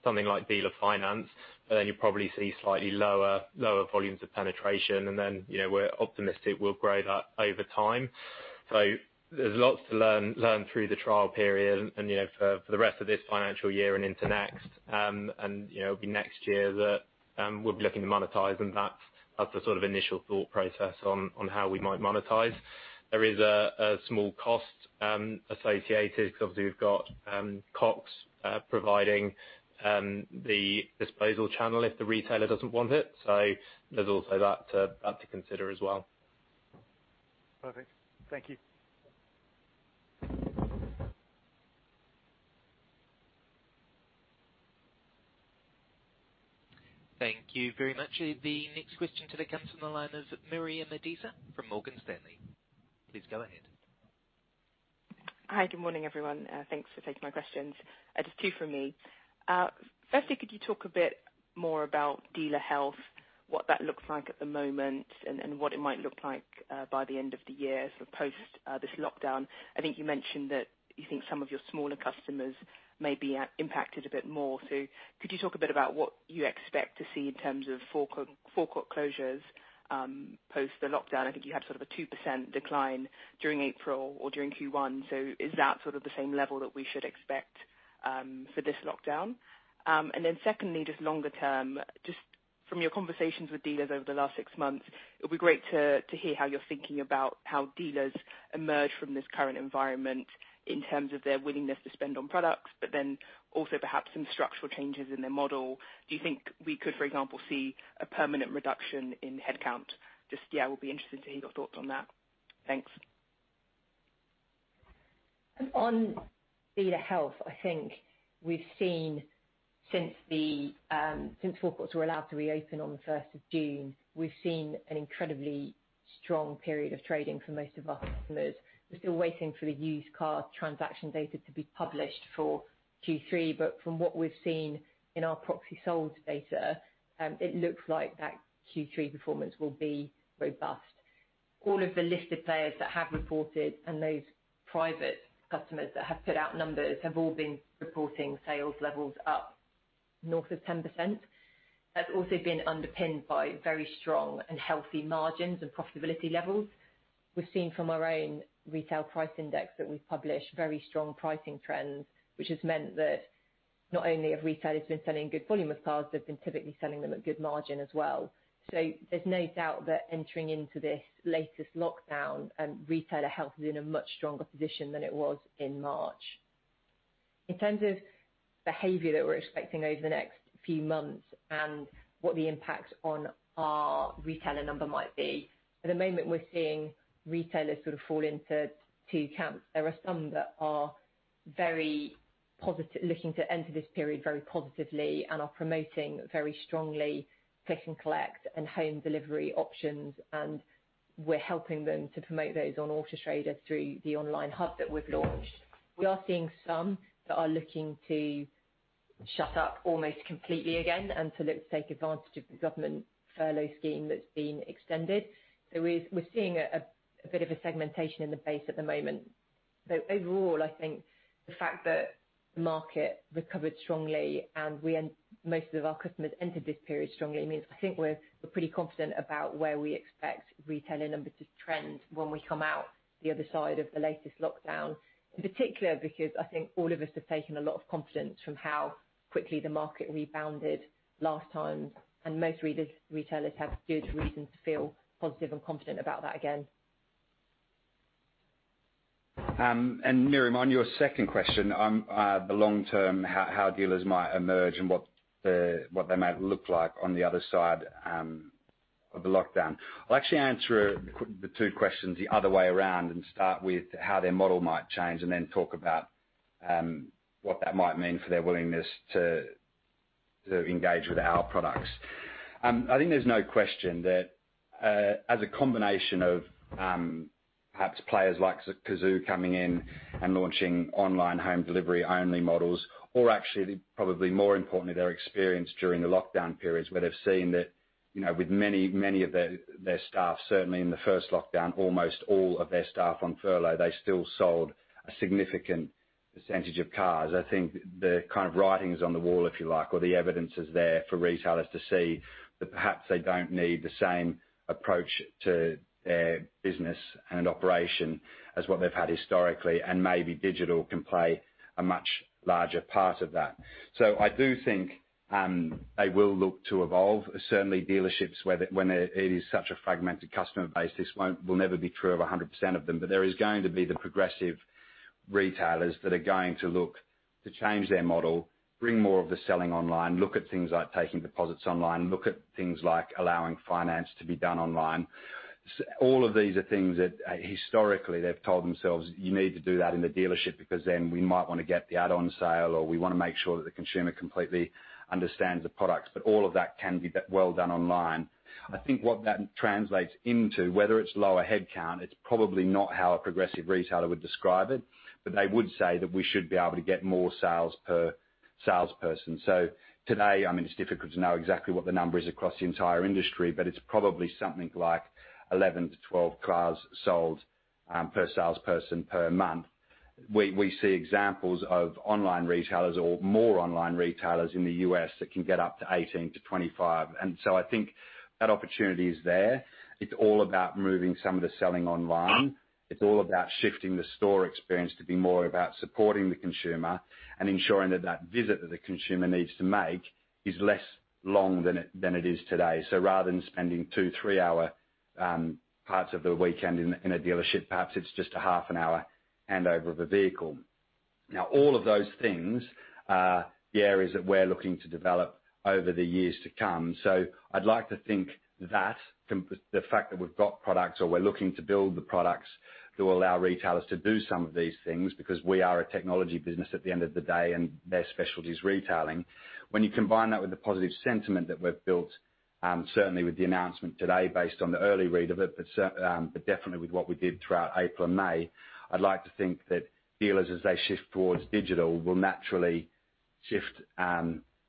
something like Dealer Finance. You probably see slightly lower volumes of penetration. We’re optimistic will grow that over time. There's lots to learn through the trial period and for the rest of this financial year and into next. It'll be next year that we'll be looking to monetize, and that's the sort of initial thought process on how we might monetize. There is a small cost associated because obviously we've got Cox providing the disposal channel if the retailer doesn't want it. There's also that to consider as well. Perfect. Thank you. Thank you very much. The next question today comes from the line of Miriam Adisa from Morgan Stanley. Please go ahead. Hi. Good morning, everyone. Thanks for taking my questions. Just two from me. Firstly, could you talk a bit more about dealer health, what that looks like at the moment, and what it might look like by the end of the year, sort of post this lockdown? I think you mentioned that you think some of your smaller customers may be impacted a bit more. Could you talk a bit about what you expect to see in terms of forecourt closures, post the lockdown? I think you had sort of a 2% decline during April or during Q1. Is that sort of the same level that we should expect for this lockdown? Secondly, just longer term, just from your conversations with dealers over the last six months, it'd be great to hear how you're thinking about how dealers emerge from this current environment in terms of their willingness to spend on products, but then also perhaps some structural changes in their model. Do you think we could, for example, see a permanent reduction in headcount? Just, yeah, we'll be interested to hear your thoughts on that. Thanks. On dealer health, I think we've seen since forecourts were allowed to reopen on the 1st of June, we've seen an incredibly strong period of trading for most of our customers. We're still waiting for the used car transaction data to be published for Q3, but from what we've seen in our proxy sold data, it looks like that Q3 performance will be robust. All of the listed players that have reported, and those private customers that have put out numbers, have all been reporting sales levels up north of 10%. That's also been underpinned by very strong and healthy margins and profitability levels. We've seen from our own Retail Price Index that we've published very strong pricing trends, which has meant that not only have retailers been selling a good volume of cars, they've been typically selling them at good margin as well. There's no doubt that entering into this latest lockdown, retailer health is in a much stronger position than it was in March. In terms of behavior that we're expecting over the next few months and what the impact on our retailer number might be, at the moment, we're seeing retailers sort of fall into two camps. There are some that are very positive, looking to enter this period very positively and are promoting very strongly click and collect and home delivery options, and we're helping them to promote those on Autotrader through the online hub that we've launched. We are seeing some that are looking to shut up almost completely again and to look to take advantage of the government furlough scheme that's been extended. We're seeing a bit of a segmentation in the base at the moment. Overall, I think the fact that the market recovered strongly and most of our customers entered this period strongly means I think we're pretty confident about where we expect retailer numbers to trend when we come out the other side of the latest lockdown. In particular, because I think all of us have taken a lot of confidence from how quickly the market rebounded last time, and most retailers have good reason to feel positive and confident about that again. Miriam, on your second question, the long term, how dealers might emerge and what they might look like on the other side of the lockdown. I'll actually answer the two questions the other way around and start with how their model might change and then talk about what that might mean for their willingness to engage with our products. I think there's no question that as a combination of perhaps players like Cazoo coming in and launching online home delivery only models, or actually probably more importantly, their experience during the lockdown periods where they've seen that with many of their staff, certainly in the first lockdown, almost all of their staff on furlough, they still sold a significant percentage of cars. I think the kind of writing's on the wall, if you like, or the evidence is there for retailers to see that perhaps they don't need the same approach to their business and operation as what they've had historically, and maybe digital can play a much larger part of that. I do think they will look to evolve. Certainly dealerships when it is such a fragmented customer base, this will never be true of 100% of them. There is going to be the progressive retailers that are going to look to change their model, bring more of the selling online, look at things like taking deposits online, look at things like allowing finance to be done online. All of these are things that historically they've told themselves, you need to do that in the dealership because then we might want to get the add-on sale, or we want to make sure that the consumer completely understands the products. All of that can be well done online. I think what that translates into, whether it's lower headcount, it's probably not how a progressive retailer would describe it, but they would say that we should be able to get more sales per salesperson. Today, it's difficult to know exactly what the number is across the entire industry, but it's probably something like 11 to 12 cars sold per salesperson per month. We see examples of online retailers or more online retailers in the U.S. that can get up to 18 to 25. I think that opportunity is there. It's all about moving some of the selling online. It's all about shifting the store experience to be more about supporting the consumer and ensuring that that visit that the consumer needs to make is less long than it is today. Rather than spending two, three-hour parts of the weekend in a dealership, perhaps it's just a half an hour handover of a vehicle. Now, all of those things are the areas that we're looking to develop over the years to come. I'd like to think that the fact that we've got products or we're looking to build the products that will allow retailers to do some of these things because we are a technology business at the end of the day, and their specialty is retailing. When you combine that with the positive sentiment that we've built, certainly with the announcement today, based on the early read of it, but definitely with what we did throughout April and May, I'd like to think that dealers, as they shift towards digital, will naturally shift,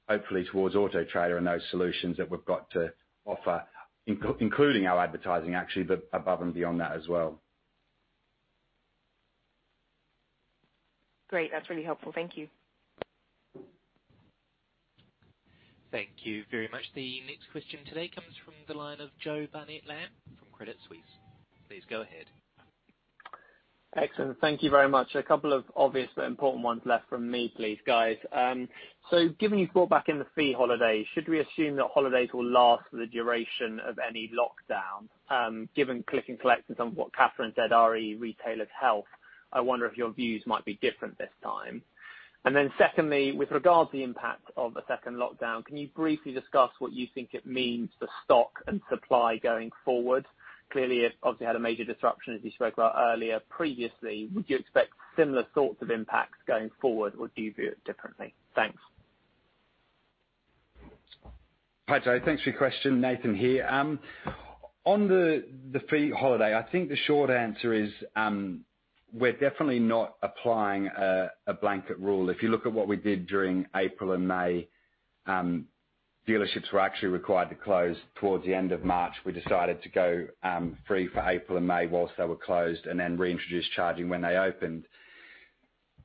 hopefully towards Autotrader and those solutions that we've got to offer, including our advertising actually, but above and beyond that as well. Great. That's really helpful. Thank you. Thank you very much. The next question today comes from the line of Joe Barnet-Lamb from Credit Suisse. Please go ahead. Excellent. Thank you very much. A couple of obvious but important ones left from me, please, guys. Given you brought back in the fee holiday, should we assume that holidays will last for the duration of any lockdown? Given click and collect and some of what Catherine said, re retailers' health, I wonder if your views might be different this time. Secondly, with regards the impact of a second lockdown, can you briefly discuss what you think it means for stock and supply going forward? Clearly, you obviously had a major disruption, as you spoke about earlier, previously. Would you expect similar sorts of impacts going forward, or do you view it differently? Thanks. Hi, Joe. Thanks for your question. Nathan here. On the fee holiday, I think the short answer is, we're definitely not applying a blanket rule. If you look at what we did during April and May, dealerships were actually required to close towards the end of March. We decided to go free for April and May while they were closed, then reintroduced charging when they opened.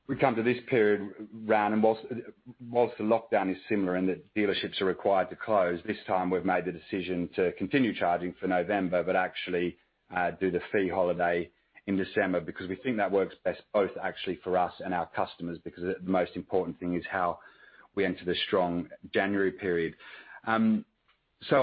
We come to this period round, while the lockdown is similar in that dealerships are required to close, this time we've made the decision to continue charging for November, actually do the fee holiday in December because we think that works best both actually for us and our customers, because the most important thing is how we enter the strong January period.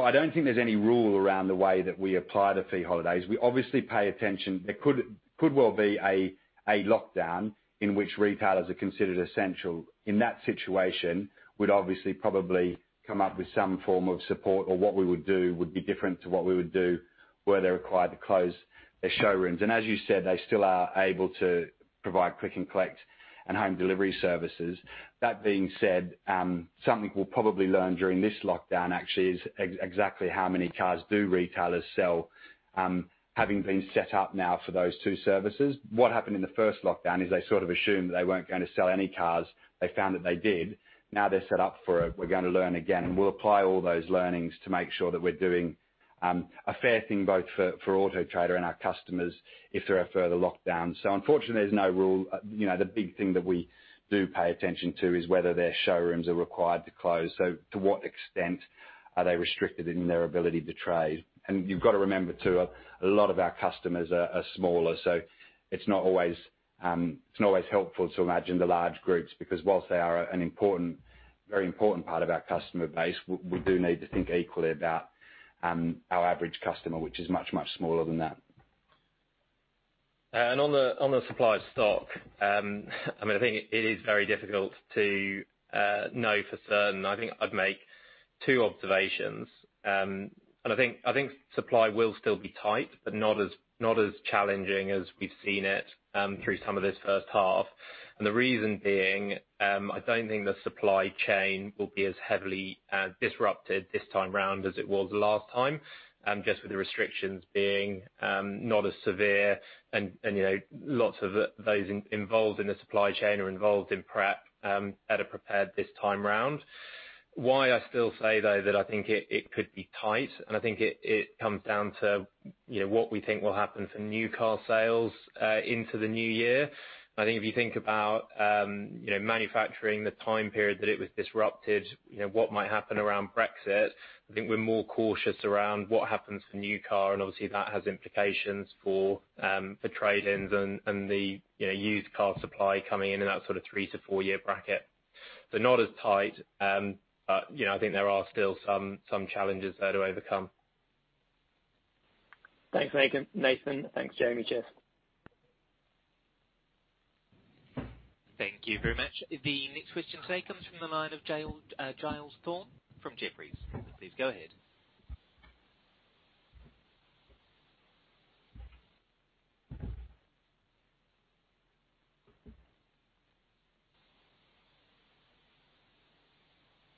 I don't think there's any rule around the way that we apply the fee holidays. We obviously pay attention. There could well be a lockdown in which retailers are considered essential. In that situation, we'd obviously probably come up with some form of support, or what we would do would be different to what we would do were they required to close their showrooms. As you said, they still are able to provide click and collect and home delivery services. That being said, something we'll probably learn during this lockdown actually is exactly how many cars do retailers sell, having been set up now for those two services. What happened in the first lockdown is they sort of assumed that they weren't going to sell any cars. They found that they did. Now they're set up for it. We're going to learn again, and we'll apply all those learnings to make sure that we're doing a fair thing both for Autotrader and our customers if there are further lockdowns. Unfortunately, there's no rule. The big thing that we do pay attention to is whether their showrooms are required to close. To what extent are they restricted in their ability to trade? You've got to remember, too, a lot of our customers are smaller, so it's not always helpful to imagine the large groups, because whilst they are a very important part of our customer base, we do need to think equally about our average customer, which is much, much smaller than that. On the supply of stock, I think it is very difficult to know for certain. I think I'd make two observations. I think supply will still be tight, but not as challenging as we've seen it through some of this first half. The reason being, I don't think the supply chain will be as heavily disrupted this time around as it was last time, just with the restrictions being not as severe, and lots of those involved in the supply chain or involved in prep, better prepared this time around. Why I still say, though, that I think it could be tight, and I think it comes down to what we think will happen for new car sales into the new year. I think if you think about manufacturing, the time period that it was disrupted, what might happen around Brexit, I think we're more cautious around what happens for new car, and obviously that has implications for trade-ins and the used car supply coming in that sort of three- to four-year bracket. Not as tight, but I think there are still some challenges there to overcome. Thanks, Nathan. Thanks, Jamie. Cheers. Thank you very much. The next question today comes from the line of Giles Thorne from Jefferies. Please go ahead.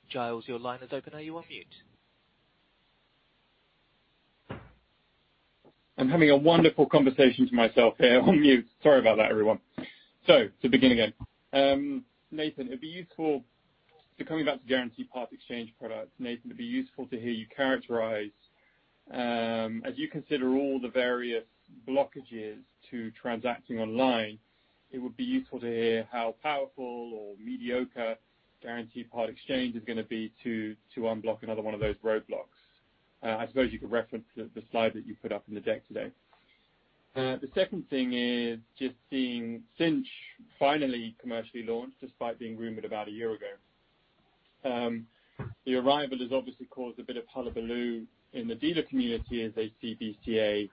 Giles, your line is open. Are you on mute? I'm having a wonderful conversation to myself here on mute. Sorry about that, everyone. To begin again. Nathan, it'd be useful to hear you characterize, as you consider all the various blockages to transacting online, it would be useful to hear how powerful or mediocre Guaranteed Part-Exchange is going to be to unblock another one of those roadblocks. I suppose you could reference the slide that you put up in the deck today. The second thing is just seeing Cinch finally commercially launched, despite being rumored about a year ago. The arrival has obviously caused a bit of hullabaloo in the dealer community as they see BCA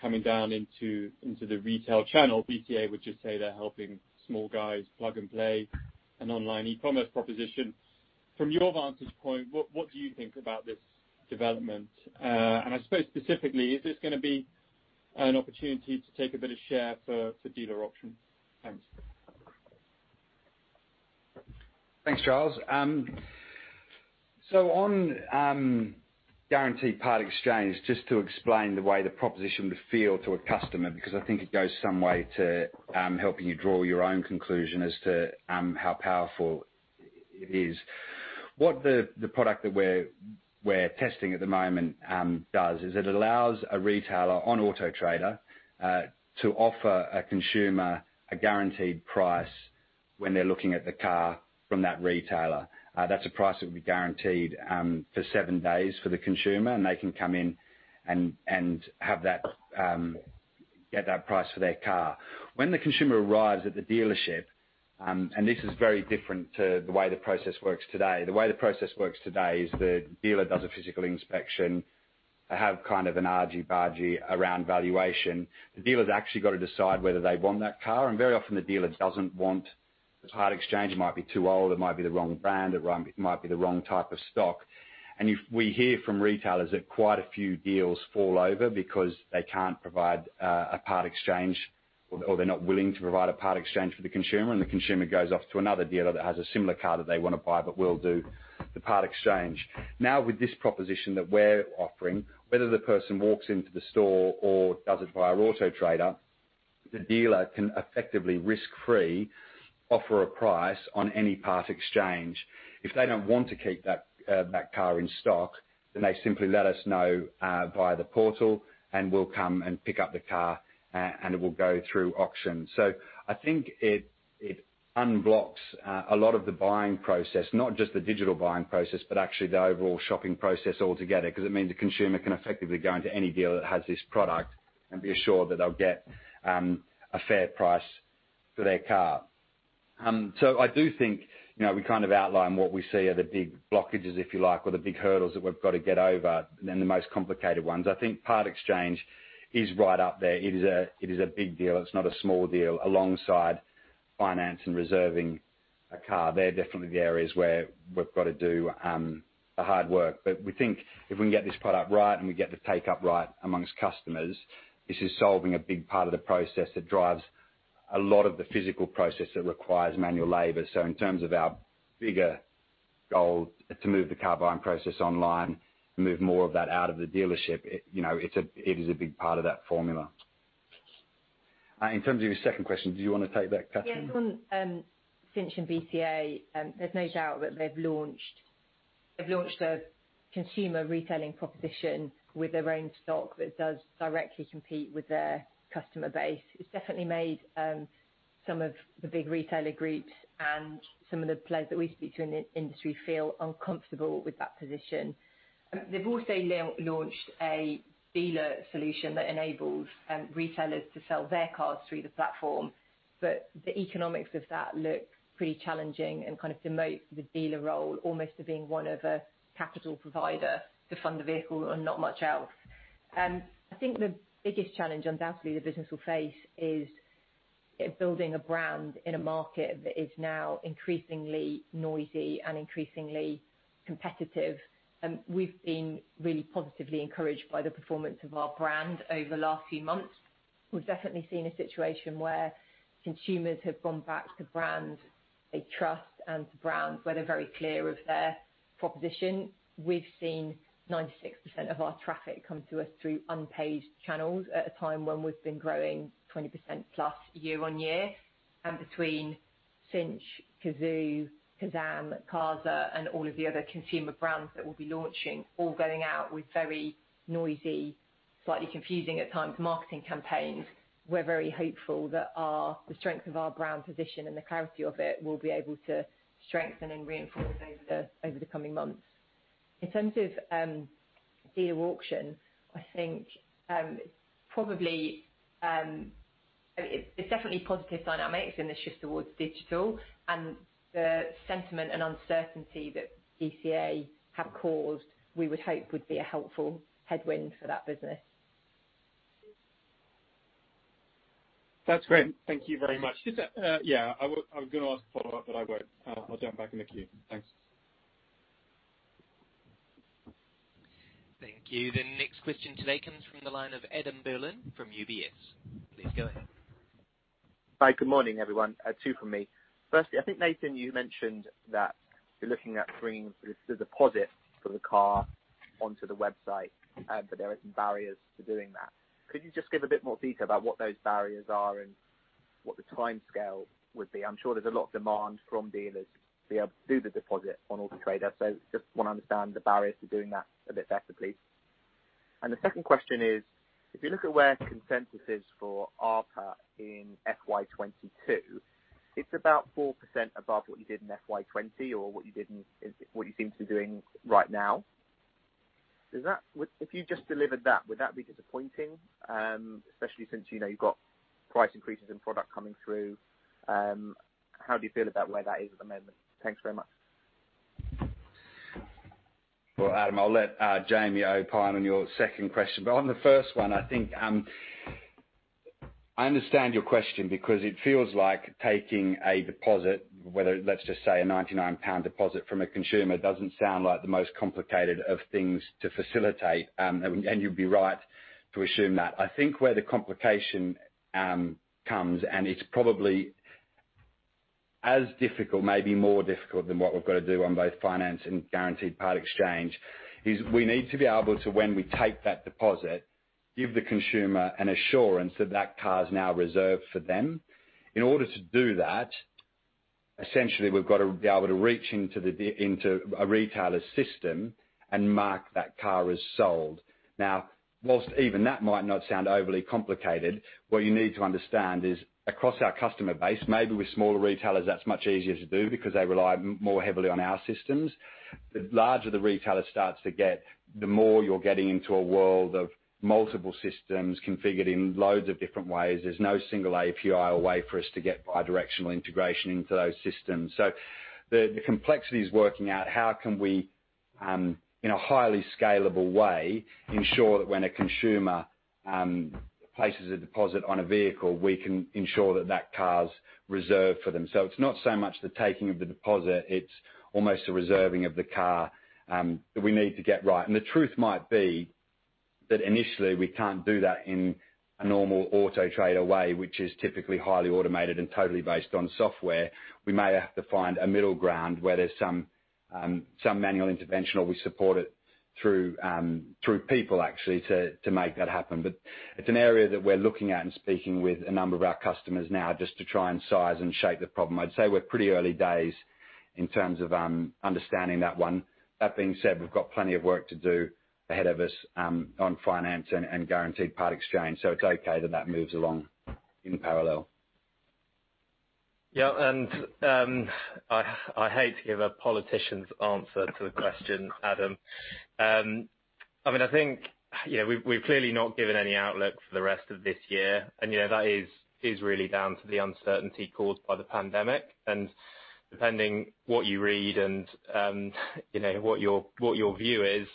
coming down into the retail channel. BCA would just say they're helping small guys plug and play an online e-commerce proposition. From your vantage point, what do you think about this development? I suppose specifically, is this going to be an opportunity to take a bit of share for Dealer Auction? Thanks. Thanks, Giles. On Guaranteed Part-Exchange, just to explain the way the proposition would feel to a customer, because I think it goes some way to helping you draw your own conclusion as to how powerful it is. What the product that we're testing at the moment does is it allows a retailer on Autotrader to offer a consumer a guaranteed price when they're looking at the car from that retailer. That's a price that will be guaranteed for seven days for the consumer, and they can come in and get that price for their car. When the consumer arrives at the dealership, and this is very different to the way the process works today. The way the process works today is the dealer does a physical inspection. They have kind of an argy-bargy around valuation. The dealer's actually got to decide whether they want that car. Very often the dealer doesn't want the part exchange. It might be too old, it might be the wrong brand, it might be the wrong type of stock. We hear from retailers that quite a few deals fall over because they can't provide a part exchange, or they're not willing to provide a part exchange for the consumer. The consumer goes off to another dealer that has a similar car that they want to buy but will do the part exchange. Now with this proposition that we're offering, whether the person walks into the store or does it via Autotrader, the dealer can effectively risk-free offer a price on any part exchange. If they don't want to keep that car in stock, then they simply let us know via the portal, and we'll come and pick up the car, and it will go through auction. I think it unblocks a lot of the buying process, not just the digital buying process, but actually the overall shopping process altogether, because it means the consumer can effectively go into any dealer that has this product and be assured that they'll get a fair price for their car. I do think we outline what we see are the big blockages, if you like, or the big hurdles that we've got to get over, and then the most complicated ones. I think part exchange is right up there. It is a big deal. It's not a small deal, alongside finance and reserving a car. They're definitely the areas where we've got to do the hard work. We think if we can get this product right and we get the take-up right among customers, this is solving a big part of the process that drives a lot of the physical process that requires manual labor. In terms of our bigger goal to move the car buying process online and move more of that out of the dealership, it is a big part of that formula. In terms of your second question, do you want to take that, Catherine? On Cinch and BCA, there's no doubt that they've launched a consumer retailing proposition with their own stock that does directly compete with their customer base. It's definitely made some of the big retailer groups and some of the players that we speak to in the industry feel uncomfortable with that position. They've also launched a dealer solution that enables retailers to sell their cars through the platform. The economics of that look pretty challenging and demote the dealer role almost to being one of a capital provider to fund the vehicle and not much else. I think the biggest challenge, undoubtedly, the business will face is building a brand in a market that is now increasingly noisy and increasingly competitive. We've been really positively encouraged by the performance of our brand over the last few months. We've definitely seen a situation where consumers have gone back to brands they trust and to brands where they're very clear of their proposition. We've seen 96% of our traffic come to us through unpaid channels at a time when we've been growing 20% plus year-over-year. Between Cinch, Cazoo, Carzam, and all of the other consumer brands that we'll be launching, all going out with very noisy, slightly confusing at times, marketing campaigns. We're very hopeful that the strength of our brand position and the clarity of it will be able to strengthen and reinforce over the coming months. In terms of Dealer Auction, I think probably it's definitely positive dynamics in the shift towards digital and the sentiment and uncertainty that BCA have caused, we would hope would be a helpful headwind for that business. That's great. Thank you very much. I was going to ask a follow-up, but I won't. I'll jump back in the queue. Thanks. Thank you. The next question today comes from the line of Adam Berlin from UBS. Please go ahead. Hi. Good morning, everyone. Two from me. Firstly, I think, Nathan, you mentioned that you're looking at bringing the deposit for the car onto the website, but there are some barriers to doing that. Could you just give a bit more detail about what those barriers are and what the timescale would be? I'm sure there's a lot of demand from dealers to be able to do the deposit on Autotrader. Just want to understand the barriers to doing that a bit better, please. The second question is, if you look at where consensus is for ARPR in FY 2022, it's about 4% above what you did in FY 2020 or what you seem to be doing right now. If you just delivered that, would that be disappointing? Especially since you've got price increases in product coming through. How do you feel about where that is at the moment? Thanks very much. Adam, I'll let Jamie opine on your second question. On the first one, I think, I understand your question because it feels like taking a deposit, whether, let's just say a 99 pound deposit from a consumer, doesn't sound like the most complicated of things to facilitate. You'd be right to assume that. I think where the complication comes, and it's probably as difficult, maybe more difficult than what we've got to do on both finance and Guaranteed Part-Exchange, is we need to be able to, when we take that deposit, give the consumer an assurance that that car is now reserved for them. In order to do that, essentially, we've got to be able to reach into a retailer's system and mark that car as sold. Now, whilst even that might not sound overly complicated, what you need to understand is across our customer base, maybe with smaller retailers, that's much easier to do because they rely more heavily on our systems. The larger the retailer starts to get, the more you're getting into a world of multiple systems configured in loads of different ways. There's no single API or way for us to get bi-directional integration into those systems. The complexity is working out how can we, in a highly scalable way, ensure that when a consumer places a deposit on a vehicle, we can ensure that car's reserved for them. It's not so much the taking of the deposit, it's almost the reserving of the car that we need to get right. The truth might be that initially we can't do that in a normal Autotrader way, which is typically highly automated and totally based on software. We may have to find a middle ground where there's some manual intervention, or we support it through people actually to make that happen. It's an area that we're looking at and speaking with a number of our customers now just to try and size and shape the problem. I'd say we're pretty early days in terms of understanding that one. That being said, we've got plenty of work to do ahead of us on finance and Guaranteed Part-Exchange, so it's okay that that moves along in parallel. Yeah. I hate to give a politician's answer to the question, Adam. I think we've clearly not given any outlook for the rest of this year, and that is really down to the uncertainty caused by the pandemic. Depending what you read and what your view is,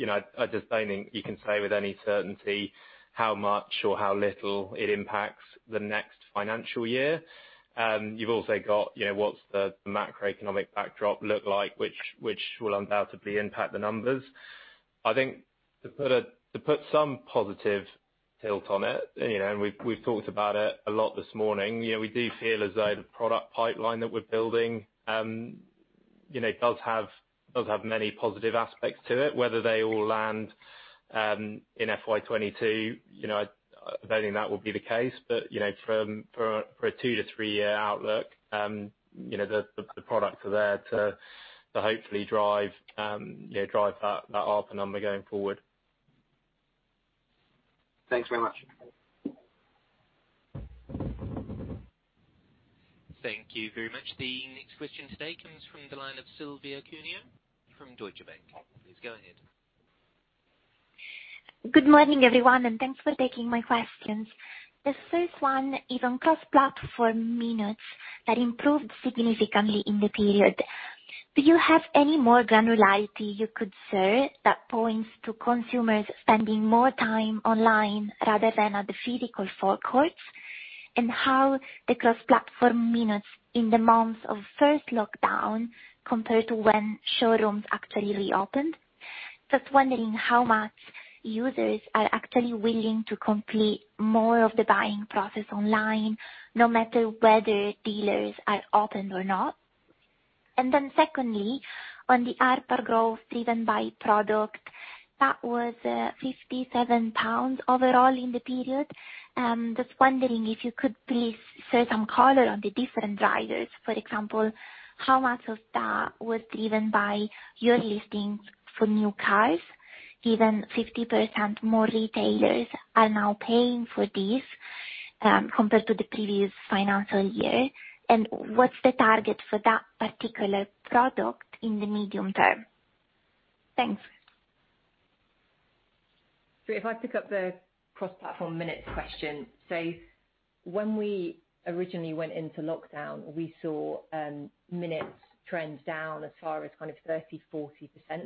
I don't think you can say with any certainty how much or how little it impacts the next financial year. You've also got what's the macroeconomic backdrop look like, which will undoubtedly impact the numbers. I think to put some positive tilt on it, and we've talked about it a lot this morning, we do feel as though the product pipeline that we're building does have many positive aspects to it, whether they all land in FY 2022, I don't think that will be the case. For a two to three-year outlook, the products are there to hopefully drive that ARPU number going forward. Thanks very much. Thank you very much. The next question today comes from the line of Silvia Cuneo from Deutsche Bank. Please go ahead. Good morning, everyone. Thanks for taking my questions. The first one is on cross-platform minutes that improved significantly in the period. Do you have any more granularity you could share that points to consumers spending more time online rather than at the physical forecourts? How the cross-platform minutes in the months of first lockdown compared to when showrooms actually reopened. Just wondering how much users are actually willing to complete more of the buying process online, no matter whether dealers are open or not. Secondly, on the ARPU growth driven by product, that was 57 pounds overall in the period. Just wondering if you could please share some color on the different drivers. For example, how much of that was driven by your listings for new cars, given 50% more retailers are now paying for this compared to the previous financial year. What's the target for that particular product in the medium term? Thanks. If I pick up the cross-platform minutes question. When we originally went into lockdown, we saw minutes trends down as far as kind of 30%-40%.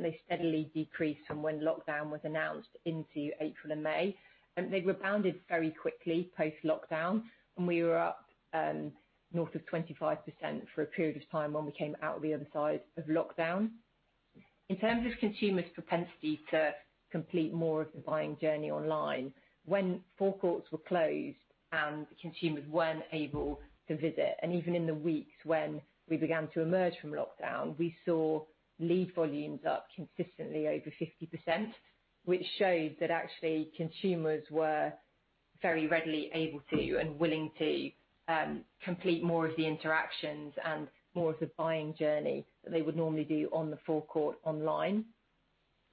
They steadily decreased from when lockdown was announced into April and May. They rebounded very quickly post-lockdown, and we were up north of 25% for a period of time when we came out the other side of lockdown. In terms of consumers' propensity to complete more of the buying journey online, when forecourts were closed and consumers weren't able to visit, and even in the weeks when we began to emerge from lockdown, we saw lead volumes up consistently over 50%, which showed that actually consumers were very readily able to and willing to complete more of the interactions and more of the buying journey that they would normally do on the forecourt online.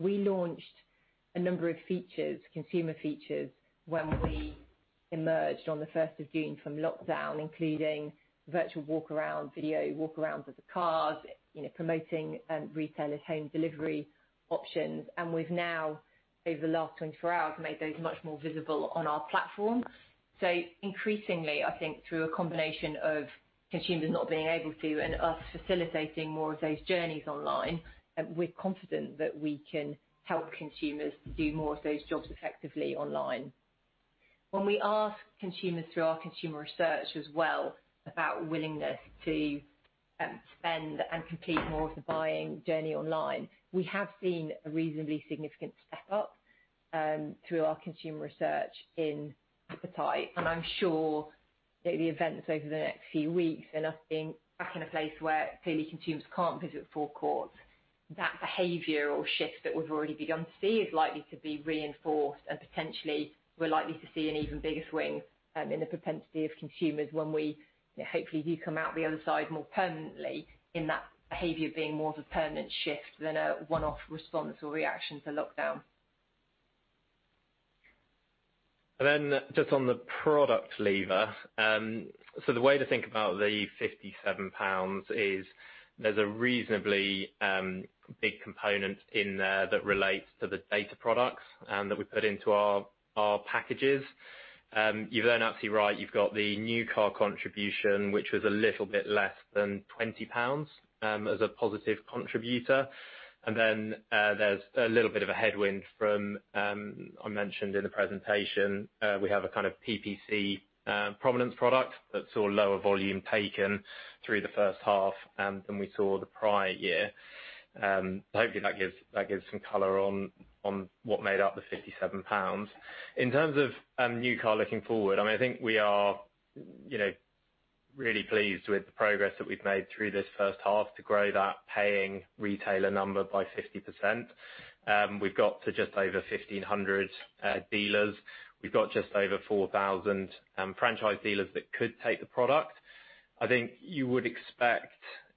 We launched a number of features, consumer features, when we emerged on the 1st of June from lockdown, including virtual walk around video, walk around of the cars, promoting retailers home delivery options. We've now, over the last 24 hours, made those much more visible on our platform. Increasingly, I think through a combination of consumers not being able to and us facilitating more of those journeys online, we're confident that we can help consumers do more of those jobs effectively online. When we ask consumers through our consumer research as well about willingness to spend and complete more of the buying journey online, we have seen a reasonably significant step up through our consumer research in appetite. I'm sure that the events over the next few weeks and us being back in a place where clearly consumers can't visit forecourts, that behavioral shift that we've already begun to see is likely to be reinforced and potentially we're likely to see an even bigger swing in the propensity of consumers when we hopefully do come out the other side more permanently in that behavior being more of a permanent shift than a one-off response or reaction to lockdown. Just on the product lever. The way to think about the 57 pounds is there's a reasonably big component in there that relates to the data products that we put into our packages. You're absolutely right. You've got the new car contribution, which was a little bit less than 20 pounds as a positive contributor. There's a little bit of a headwind from, I mentioned in the presentation, we have a kind of PPC prominence products that saw lower volume taken through the first half than we saw the prior year. Hopefully, that gives some color on what made up the 57 pounds. In terms of new car looking forward, I think we are really pleased with the progress that we've made through this first half to grow that paying retailer number by 50%. We've got to just over 1,500 dealers. We've got just over 4,000 franchise dealers that could take the product. I think you would expect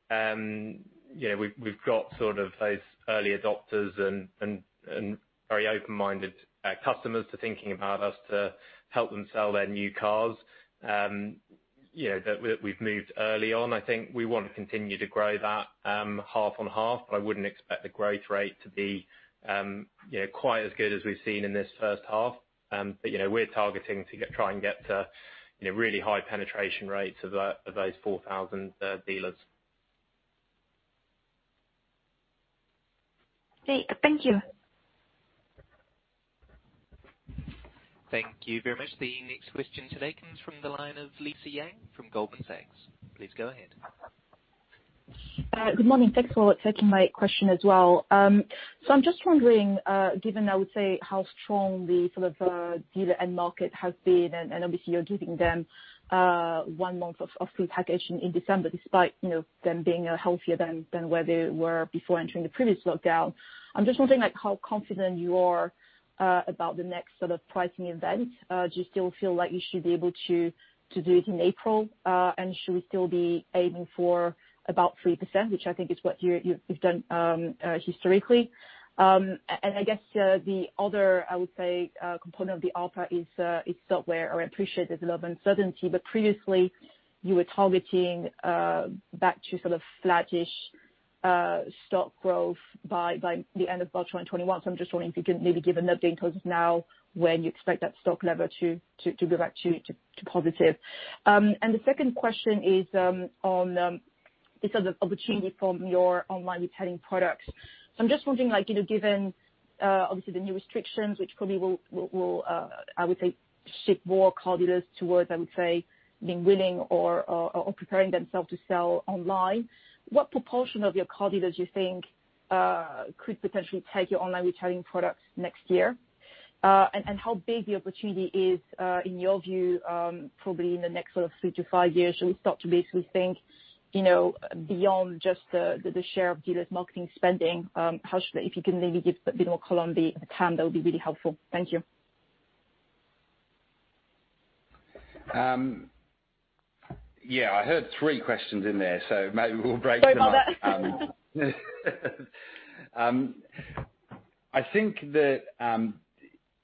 we've got those early adopters and very open-minded customers to thinking about us to help them sell their new cars that we've moved early on. I wouldn't expect the growth rate to be quite as good as we've seen in this first half. We're targeting to try and get to really high penetration rates of those 4,000 dealers. Great. Thank you. Thank you very much. The next question today comes from the line of Lisa Yang from Goldman Sachs. Please go ahead. Good morning. Thanks for taking my question as well. I'm just wondering, given I would say, how strong the dealer end market has been, and obviously you're giving them one month of free packaging in December, despite them being healthier than where they were before entering the previous lockdown. I'm just wondering how confident you are about the next pricing event. Do you still feel like you should be able to do it in April? Should we still be aiming for about 3%, which I think is what you've done historically? I guess the other, I would say, component of the output is software. I appreciate there's a lot of uncertainty, but previously you were targeting back to flattish stock growth by the end of March 2021. I'm just wondering if you can maybe give an update in terms of now when you expect that stock level to go back to positive. The second question is on the opportunity from your online retailing products. I'm just wondering, given obviously the new restrictions, which probably will, I would say, shift more car dealers towards, I would say, being willing or preparing themselves to sell online. What proportion of your car dealers you think could potentially take your online retailing products next year? How big the opportunity is in your view probably in the next three to five years? Should we start to basically think beyond just the share of dealers marketing spending? If you can maybe give a bit more color on the TAM, that would be really helpful. Thank you. I heard three questions in there, so maybe we'll break them up. Sorry about that. I think that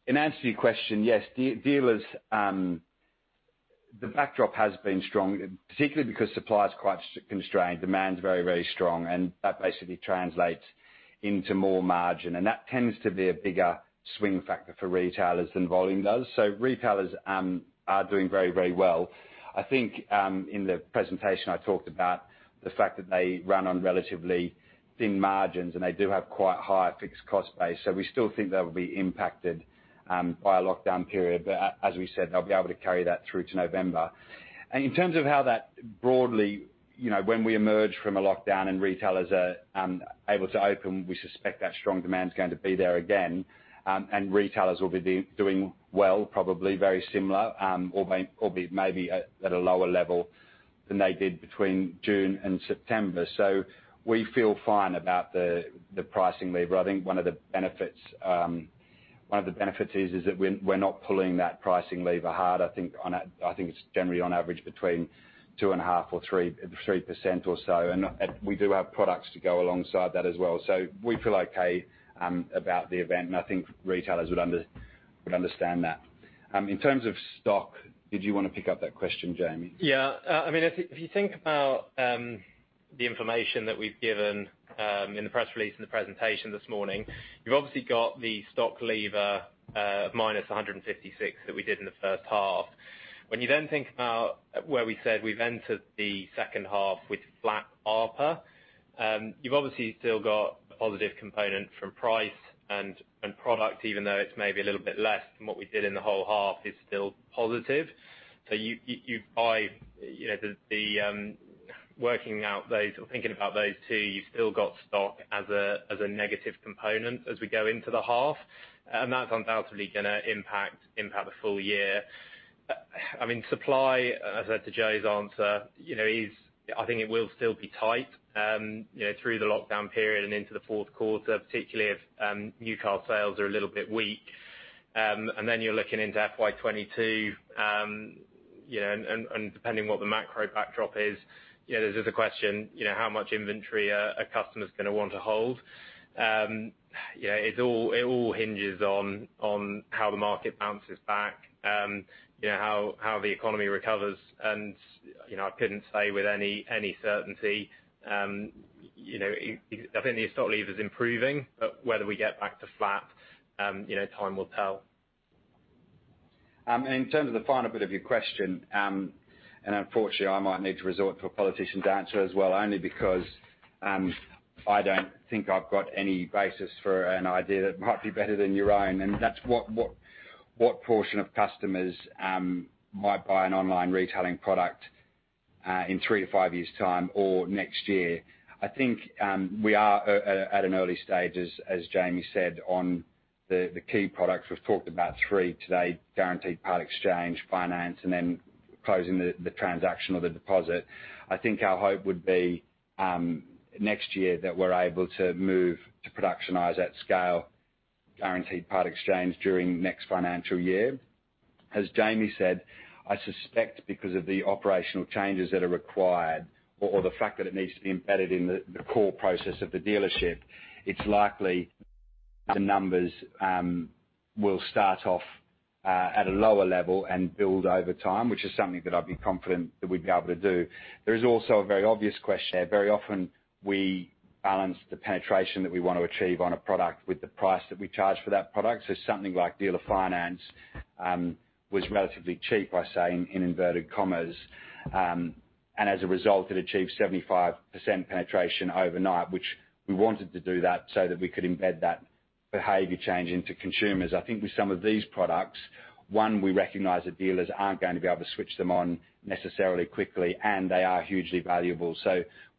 in answer to your question, yes, dealers, the backdrop has been strong, particularly because supply is quite constrained. Demand is very, very strong, and that basically translates into more margin, and that tends to be a bigger swing factor for retailers than volume does. Retailers are doing very, very well. I think in the presentation I talked about the fact that they run on relatively thin margins, and they do have quite high fixed cost base. As we said, they'll be able to carry that through to November. In terms of how that when we emerge from a lockdown and retailers are able to open, we suspect that strong demand is going to be there again, and retailers will be doing well, probably very similar, albeit maybe at a lower level than they did between June and September. We feel fine about the pricing lever. I think one of the benefits is that we're not pulling that pricing lever hard. I think it's generally on average between 2.5% or 3% or so, and we do have products to go alongside that as well. We feel okay about the event, and I think retailers would understand that. In terms of stock, did you want to pick up that question, Jamie? If you think about the information that we've given in the press release and the presentation this morning, you've obviously got the stock lever of -156 that we did in the first half. You then think about where we said we've entered the second half with flat ARPR, you've obviously still got a positive component from price and product, even though it's maybe a little bit less than what we did in the whole half, it's still positive. Working out those or thinking about those two, you've still got stock as a negative component as we go into the half. That's undoubtedly going to impact the full year. Supply, as to Joe's answer, I think it will still be tight through the lockdown period and into the fourth quarter, particularly if new car sales are a little bit weak. You're looking into FY 2022, and depending what the macro backdrop is, there's a question, how much inventory a customer is going to want to hold. It all hinges on how the market bounces back, how the economy recovers, and I couldn't say with any certainty. I think the stock lever's improving, but whether we get back to flat, time will tell. In terms of the final bit of your question, unfortunately, I might need to resort to a politician's answer as well, only because I don't think I've got any basis for an idea that might be better than your own, and that's what portion of customers might buy an online retailing product in three to five years' time or next year. I think we are at an early stage, as Jamie said, on the key products. We've talked about three today, Guaranteed Part-Exchange, finance, and then closing the transaction or the deposit. I think our hope would be next year that we're able to move to productionize at scale Guaranteed Part-Exchange during the next financial year. As Jamie said, I suspect because of the operational changes that are required or the fact that it needs to be embedded in the core process of the dealership, it's likely the numbers will start off at a lower level and build over time, which is something that I'd be confident that we'd be able to do. There is also a very obvious question. Very often we balance the penetration that we want to achieve on a product with the price that we charge for that product. Something like Dealer Finance was relatively cheap, I say in inverted commas. As a result, it achieved 75% penetration overnight, which we wanted to do that so that we could embed that behavior change into consumers. I think with some of these products, one, we recognize that dealers aren't going to be able to switch them on necessarily quickly, and they are hugely valuable.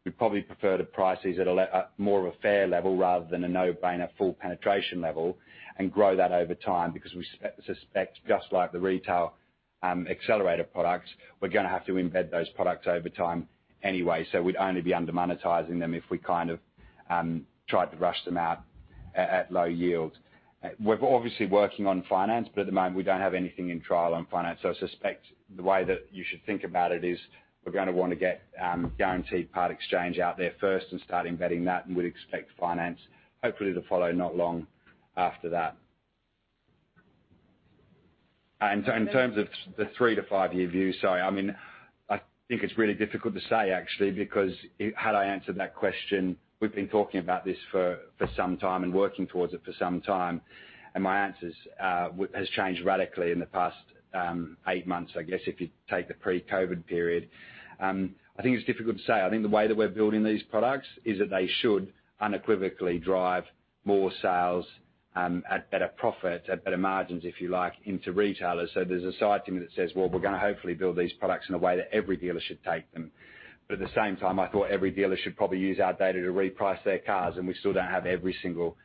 We'd probably prefer to price these at more of a fair level rather than a no-brainer full penetration level and grow that over time because we suspect, just like the Retail Accelerator products, we're going to have to embed those products over time anyway. We'd only be under-monetizing them if we tried to rush them out at low yield. We're obviously working on finance, but at the moment, we don't have anything in trial on finance. I suspect the way that you should think about it is we're going to want to get Guaranteed Part-Exchange out there first and start embedding that, and we'd expect finance hopefully to follow not long after that. In terms of the three to five-year view, sorry. I think it's really difficult to say, actually, because had I answered that question, we've been talking about this for some time and working towards it for some time, and my answer has changed radically in the past eight months, I guess, if you take the pre-COVID period. I think it's difficult to say. I think the way that we're building these products is that they should unequivocally drive more sales at better profit, at better margins, if you like, into retailers. There's a side to me that says, "Well, we're going to hopefully build these products in a way that every dealer should take them." At the same time, I thought every dealer should probably use our data to reprice their cars, and we still don't have every single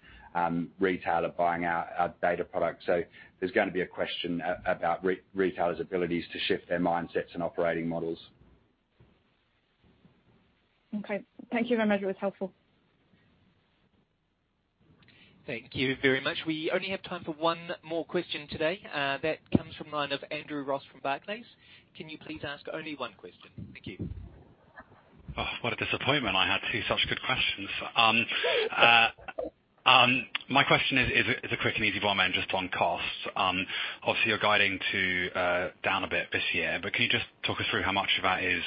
retailer buying our data product. There's going to be a question about retailers' abilities to shift their mindsets and operating models. Okay. Thank you very much. That was helpful. Thank you very much. We only have time for one more question today. That comes from the line of Andrew Ross from Barclays. Can you please ask only one question? Thank you. Oh, what a disappointment. I had two such good questions. My question is a quick and easy one, just on costs. You're guiding to down a bit this year, can you just talk us through how much of that is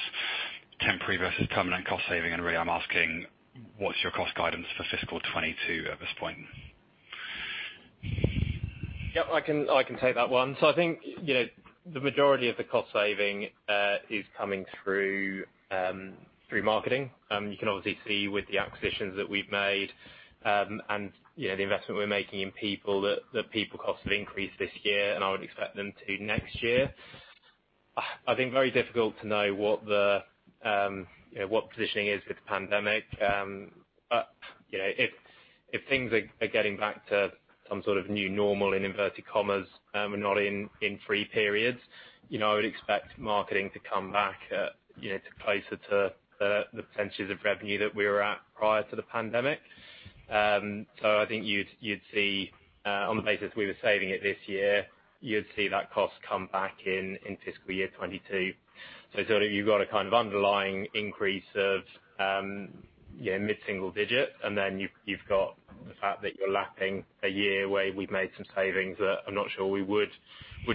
temporary versus permanent cost saving? Really, I'm asking what's your cost guidance for fiscal 2022 at this point? Yeah, I can take that one. I think the majority of the cost saving is coming through marketing. You can obviously see with the acquisitions that we've made and the investment we're making in people, that people costs have increased this year, and I would expect them to next year. I think very difficult to know what the positioning is with the pandemic. If things are getting back to some sort of new normal, in inverted commas, and we're not in free periods, I would expect marketing to come back closer to the percentages of revenue that we were at prior to the pandemic. I think you'd see on the basis we were saving it this year, you'd see that cost come back in fiscal year 2022. You've got a kind of underlying increase of mid-single digit, and then you've got the fact that you're lapping a year where we've made some savings that I'm not sure we would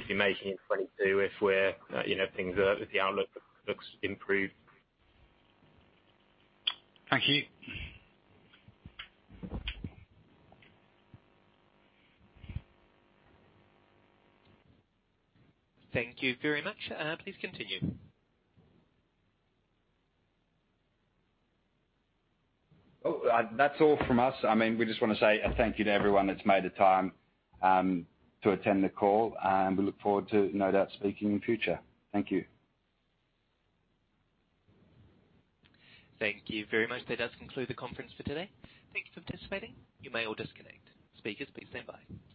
be making in 2022 if the outlook looks improved. Thank you. Thank you very much. Please continue. Well, that's all from us. We just want to say a thank you to everyone that's made the time to attend the call, and we look forward to, no doubt, speaking in the future. Thank you. Thank you very much. That does conclude the conference for today. Thank you for participating. You may all disconnect. Speakers please standby.